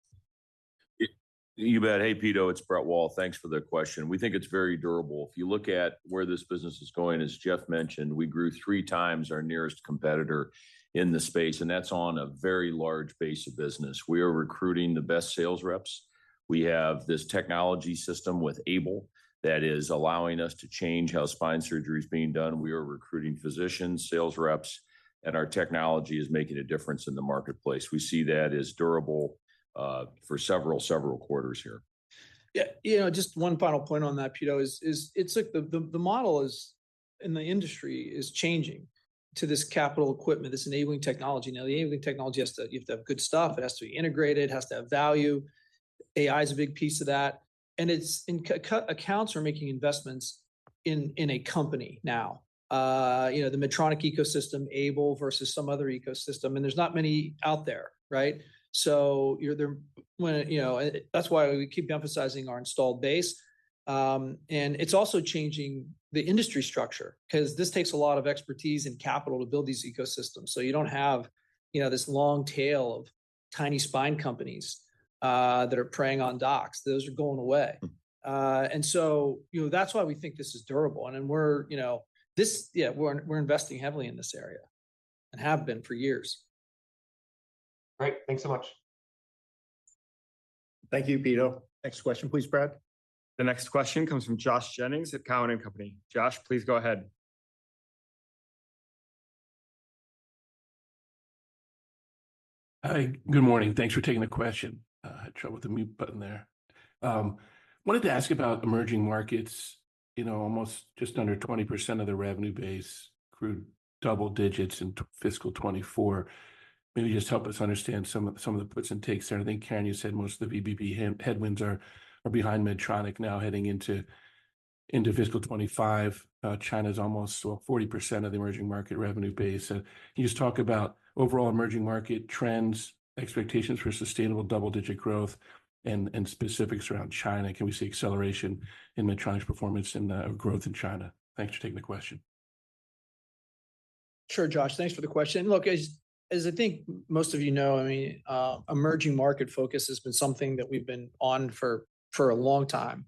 You bet. Hey, Pito, it's Brett Wall. Thanks for the question. We think it's very durable. If you look at where this business is going, as Geoff mentioned, we grew three times our nearest competitor in the space, and that's on a very large base of business. We are recruiting the best sales reps. We have this technology system with AiBLE that is allowing us to change how spine surgery is being done. We are recruiting physicians, sales reps, and our technology is making a difference in the marketplace. We see that as durable for several quarters here. Yeah, you know, just one final point on that, Pito, is, it's like the model in the industry is changing to this capital equipment, this enabling technology. Now, the enabling technology has to you have to have good stuff, it has to be integrated, it has to have value. AI is a big piece of that, and it's and accounts are making investments in a company now. You know, the Medtronic ecosystem, AiBLE, versus some other ecosystem, and there's not many out there, right? So you're there when it, you know that's why we keep emphasizing our installed base. And it's also changing the industry structure, 'cause this takes a lot of expertise and capital to build these ecosystems. So you don't have, you know, this long tail of tiny spine companies that are preying on docs. Those are going away. Mm. And so, you know, that's why we think this is durable and we're, you know, yeah, we're investing heavily in this area and have been for years. Great! Thanks so much. Thank you, Pito. Next question, please, Brad. The next question comes from Josh Jennings at Cowen and Company. Josh, please go ahead. Hi, good morning. Thanks for taking the question. I had trouble with the mute button there. Wanted to ask about emerging markets. You know, almost just under 20% of the revenue base grew double digits in Fiscal 2024. Maybe just help us understand some of, some of the puts and takes there. I think, Karen, you said most of the VBP headwinds are behind Medtronic now heading into Fiscal 2025. China's almost, well, 40% of the emerging market revenue base. So can you just talk about overall emerging market trends, expectations for sustainable double-digit growth, and specifics around China? Can we see acceleration in Medtronic's performance and growth in China? Thanks for taking the question. Sure, Josh. Thanks for the question. Look, as I think most of you know, I mean, emerging market focus has been something that we've been on for a long time,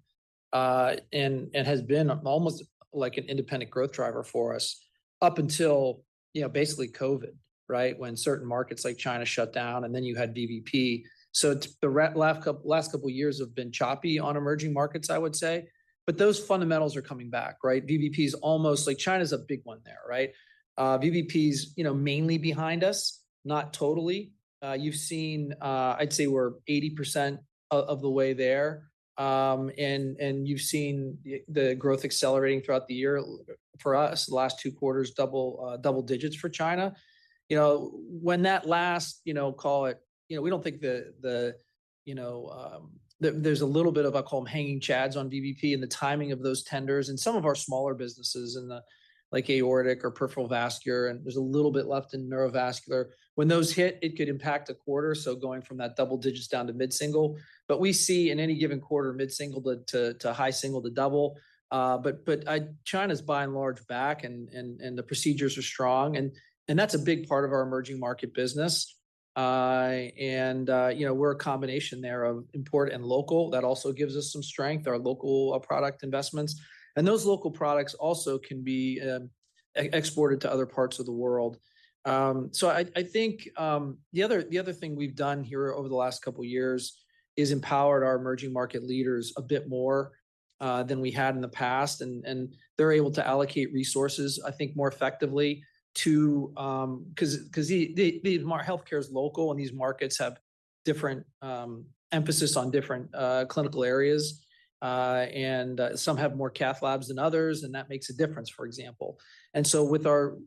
and has been almost like an independent growth driver for us up until, you know, basically COVID, right? When certain markets like China shut down, and then you had VBP. So the last couple of years have been choppy on emerging markets, I would say, but those fundamentals are coming back, right? VBP is almost like China's a big one there, right? VBP is, you know, mainly behind us, not totally. You've seen I'd say we're 80% of the way there, and you've seen the growth accelerating throughout the year. For us, the last 2 quarters, double digits for China. You know, when that last, you know, call it, you know, we don't think the, the, you know, there's a little bit of what I call them hanging chads on VBP and the timing of those tenders and some of our smaller businesses in the like aortic or peripheral vascular, and there's a little bit left in neurovascular. When those hit, it could impact a quarter, so going from that double digits down to mid-single. But we see in any given quarter, mid-single to high single to double. But China's by and large back, and the procedures are strong, and that's a big part of our emerging market business. And you know, we're a combination there of import and local. That also gives us some strength, our local product investments. Those local products also can be exported to other parts of the world. So I think the other thing we've done here over the last couple of years is empowered our emerging market leaders a bit more than we had in the past, and they're able to allocate resources, I think, more effectively to because our healthcare is local, and these markets have different emphasis on different clinical areas. And some have more cath labs than others, and that makes a difference, for example. And so with our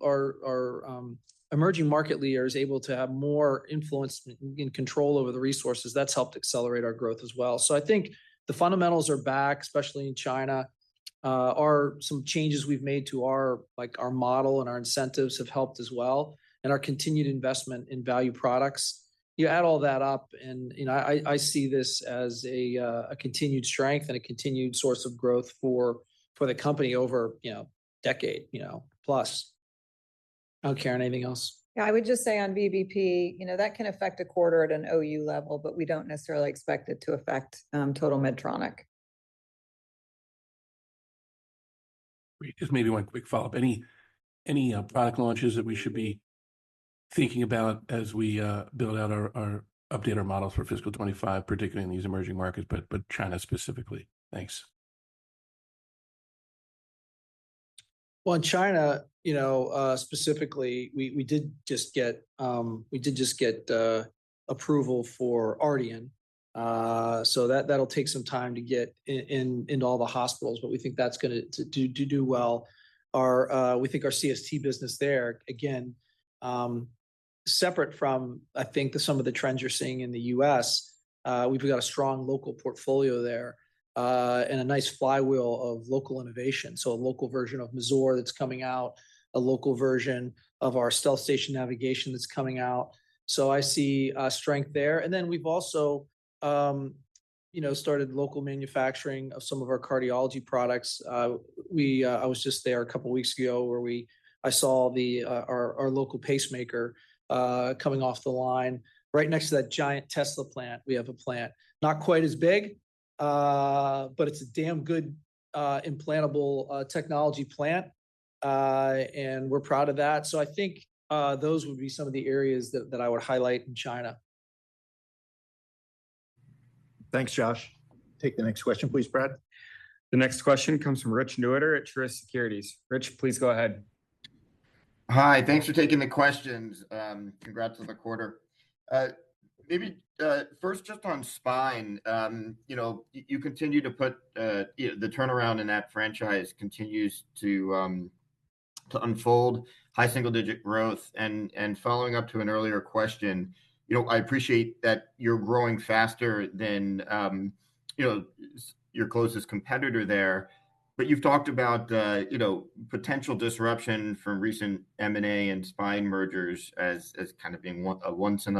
emerging market leaders able to have more influence in control over the resources, that's helped accelerate our growth as well. So I think the fundamentals are back, especially in China. There are some changes we've made to our, like, our model and our incentives have helped as well, and our continued investment in value products. You add all that up, and, you know, I see this as a continued strength and a continued source of growth for the company over, you know, a decade, you know, plus. I don't know, Karen, anything else? Yeah, I would just say on VBP, you know, that can affect a quarter at an OU level, but we don't necessarily expect it to affect total Medtronic. Just maybe one quick follow-up. Any product launches that we should be thinking about as we update our models for Fiscal 25, particularly in these emerging markets, but China specifically? Thanks. Well, in China, you know, specifically, we did just get approval for Ardian. So that'll take some time to get into all the hospitals, but we think that's gonna do well. We think our CST business there, again, separate from, I think, some of the trends you're seeing in the US, we've got a strong local portfolio there, and a nice flywheel of local innovation. So a local version of Mazor that's coming out, a local version of our StealthStation navigation that's coming out. So I see strength there, and then we've also, you know, started local manufacturing of some of our cardiology products. I was just there a couple of weeks ago, where I saw our local pacemaker coming off the line. Right next to that giant Tesla plant, we have a plant. Not quite as big, but it's a damn good implantable technology plant. And we're proud of that. So I think those would be some of the areas that I would highlight in China. Thanks, Josh. Take the next question, please, Brad. The next question comes from Richard Newitter at Truist Securities. Richard, please go ahead. Hi. Thanks for taking the questions. Congrats on the quarter. Maybe first, just on spine, you know, you continue to put, you know. The turnaround in that franchise continues to unfold high single-digit growth. And following up to an earlier question, you know, I appreciate that you're growing faster than, you know, your closest competitor there. But you've talked about, you know, potential disruption from recent M&A and spine mergers as kind of being a once in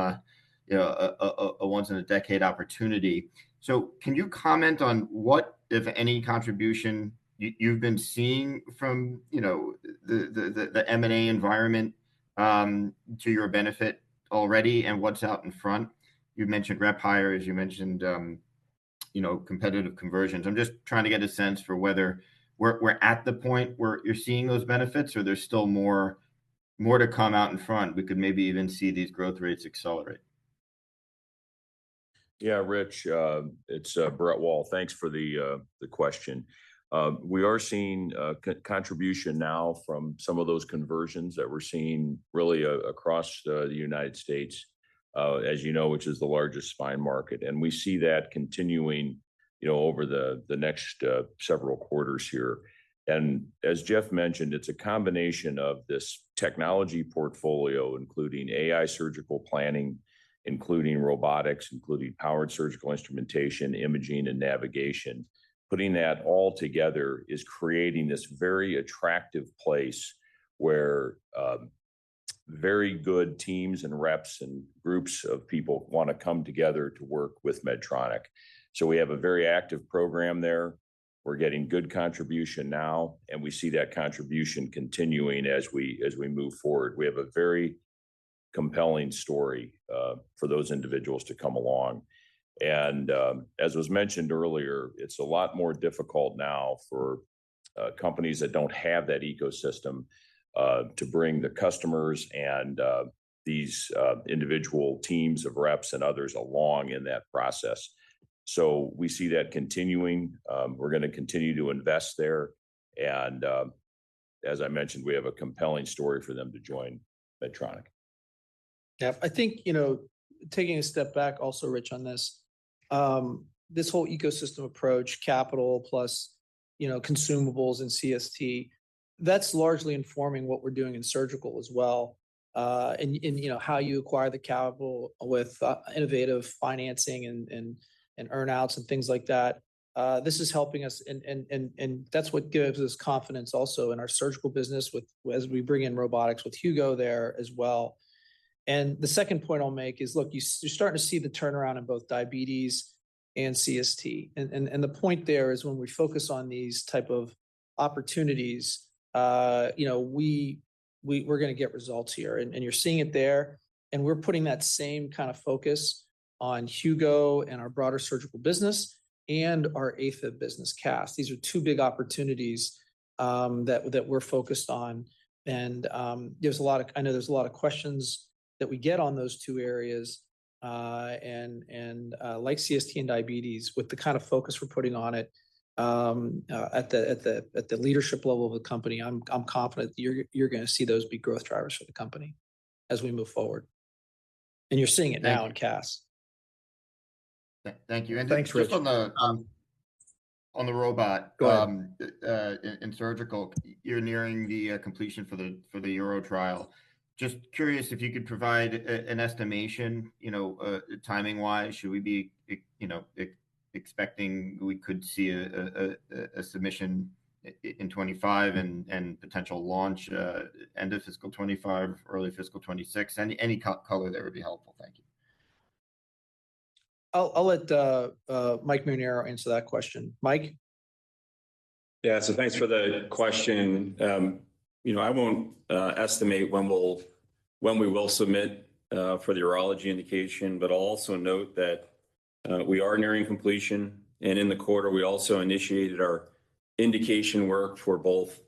a decade opportunity. So can you comment on what, if any, contribution you've been seeing from, you know, the M&A environment to your benefit already, and what's out in front? You've mentioned rep hire, as you mentioned, competitive conversions. I'm just trying to get a sense for whether we're at the point where you're seeing those benefits, or there's still more to come out in front. We could maybe even see these growth rates accelerate. Yeah, Rich, it's Brett Wall. Thanks for the question. We are seeing contribution now from some of those conversions that we're seeing really across the United States, as you know, which is the largest spine market. And we see that continuing, you know, over the next several quarters here. And as Geoff mentioned, it's a combination of this technology portfolio, including AI surgical planning, including robotics, including powered surgical instrumentation, imaging, and navigation. Putting that all together is creating this very attractive place, where very good teams and reps and groups of people wanna come together to work with Medtronic. So we have a very active program there. We're getting good contribution now, and we see that contribution continuing as we move forward. We have a very compelling story for those individuals to come along. As was mentioned earlier, it's a lot more difficult now for companies that don't have that ecosystem to bring their customers and these individual teams of reps and others along in that process. We see that continuing. We're gonna continue to invest there, and, as I mentioned, we have a compelling story for them to join Medtronic. Geoff, I think, you know, taking a step back, also, Rich, on this, this whole ecosystem approach, capital plus, you know, consumables and CST, that's largely informing what we're doing in surgical as well. And you know, how you acquire the capital with, innovative financing and earn outs and things like that, this is helping us. And that's what gives us confidence also in our surgical business with as we bring in robotics, with Hugo there as well. And the second point I'll make is, look, you're starting to see the turnaround in both diabetes and CST. And the point there is when we focus on these type of opportunities, you know, we're gonna get results here, and you're seeing it there. And we're putting that same kind of focus on Hugo and our broader surgical business and our AFib business, CST. These are two big opportunities that we're focused on. And there's a lot of I know there's a lot of questions that we get on those two areas, and like CST and diabetes, with the kind of focus we're putting on it, at the leadership level of the company, I'm confident you're gonna see those be growth drivers for the company as we move forward. And you're seeing it now in CST. Thank you. Thanks, Rich. And just on the robot- Go ahead. In surgical, you're nearing the completion for the, for the Uro trial. Just curious if you could provide an estimation, you know, timing-wise. Should we be, you know, expecting we could see a submission in 2025 and potential launch end of Fiscal 2025, early Fiscal 2026? Any color there would be helpful. Thank you. I'll let Mike Marinaro answer that question. Mike? Yeah. So thanks for the question. You know, I won't estimate when we'll, when we will submit for the urology indication, but I'll also note that we are nearing completion. And in the quarter, we also initiated our indication work for both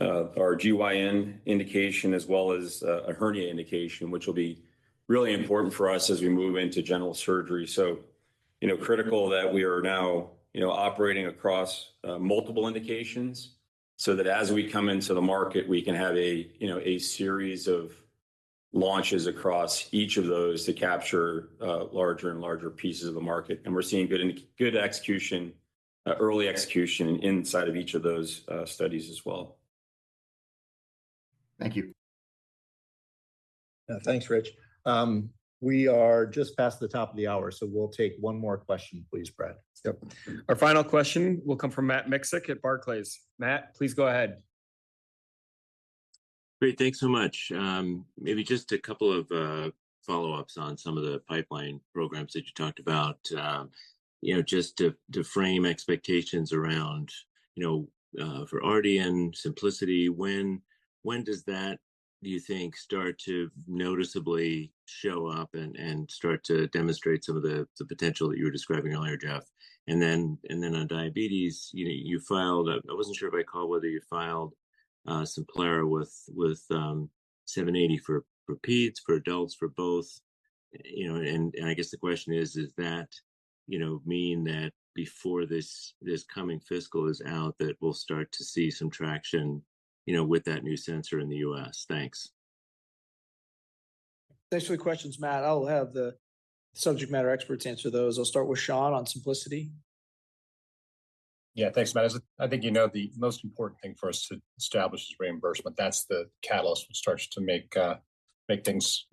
our GYN indication, as well as a hernia indication, which will be really important for us as we move into general surgery. So, you know, critical that we are now, you know, operating across multiple indications, so that as we come into the market, we can have a, you know, a series of launches across each of those to capture larger and larger pieces of the market. And we're seeing good and good execution, early execution inside of each of those studies as well. Thank you. Thanks, Rich. We are just past the top of the hour, so we'll take one more question, please, Brad. Yep. Our final question will come from Matt Miksic at Barclays. Matt, please go ahead. Great. Thanks so much. Maybe just a couple of follow-ups on some of the pipeline programs that you talked about. You know, just to frame expectations around, you know, for R&D and Symplicity, when does that, do you think, start to noticeably show up and start to demonstrate some of the potential that you were describing earlier, Geoff? And then on diabetes, you know, you filed. I wasn't sure if I heard whether you filed Simplera with 780 for peds, for adults, for both. You know, and I guess the question is, does that mean that before this coming fiscal year is out, that we'll start to see some traction, you know, with that new sensor in the U.S.? Thanks. Thanks for the questions, Matt. I'll have the subject matter experts answer those. I'll start with Sean on Symplicity. Yeah. Thanks, Matt. As I think you know, the most important thing for us to establish is reimbursement. That's the catalyst which starts to make, make things,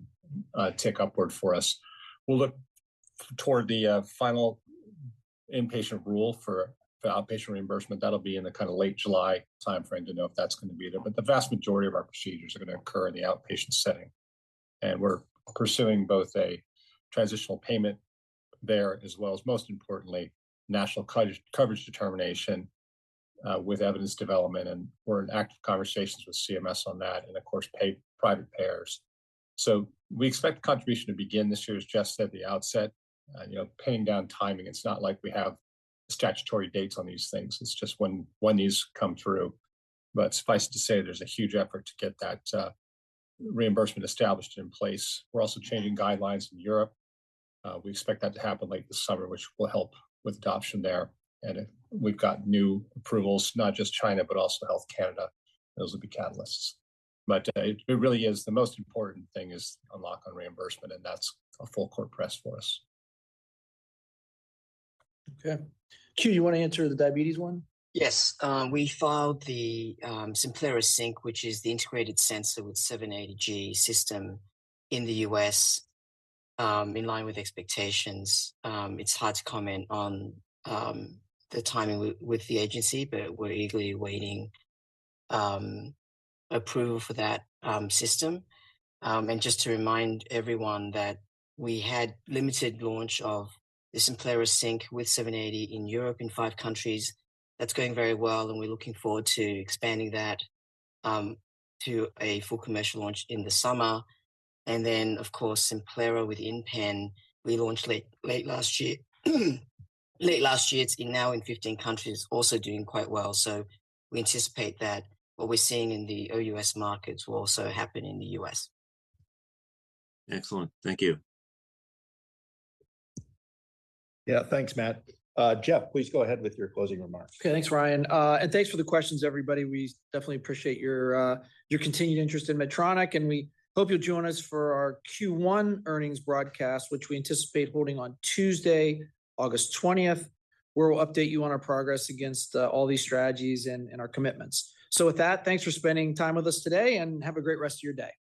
tick upward for us. We'll look toward the final inpatient rule for the outpatient reimbursement. That'll be in the kinda late July timeframe to know if that's gonna be there. But the vast majority of our procedures are gonna occur in the outpatient setting, and we're pursuing both a transitional payment there, as well as, most importantly, national coverage determination, with evidence development, and we're in active conversations with CMS on that, and of course, private payers. So we expect contribution to begin this year, as Geoff said, the outset, and, you know, pinning down timing, it's not like we have statutory dates on these things. It's just when, when these come through. But suffice to say, there's a huge effort to get that, reimbursement established and in place. We're also changing guidelines in Europe. We expect that to happen late this summer, which will help with adoption there. And if we've got new approvals, not just China, but also Health Canada, those will be catalysts. But, it really is the most important thing is unlock on reimbursement, and that's a full court press for us. Okay. Que, you wanna answer the diabetes one? Yes. We filed the Simplera Sync, which is the integrated sensor with 780G system in the US, in line with expectations. It's hard to comment on the timing with the agency, but we're eagerly awaiting approval for that system. And just to remind everyone that we had limited launch of the Simplera Sync with 780G in Europe in 5 countries. That's going very well, and we're looking forward to expanding that to a full commercial launch in the summer. And then, of course, Simplera with InPen, we launched late last year. Late last year, it's now in 15 countries, also doing quite well. So we anticipate that what we're seeing in the OUS markets will also happen in the US. Excellent. Thank you. Yeah. Thanks, Matt. Geoff, please go ahead with your closing remarks. Okay. Thanks, Ryan. And thanks for the questions, everybody. We definitely appreciate your continued interest in Medtronic, and we hope you'll join us for our Q1 earnings broadcast, which we anticipate holding on Tuesday, August 20th, where we'll update you on our progress against all these strategies and, and our commitments. So with that, thanks for spending time with us today, and have a great rest of your day.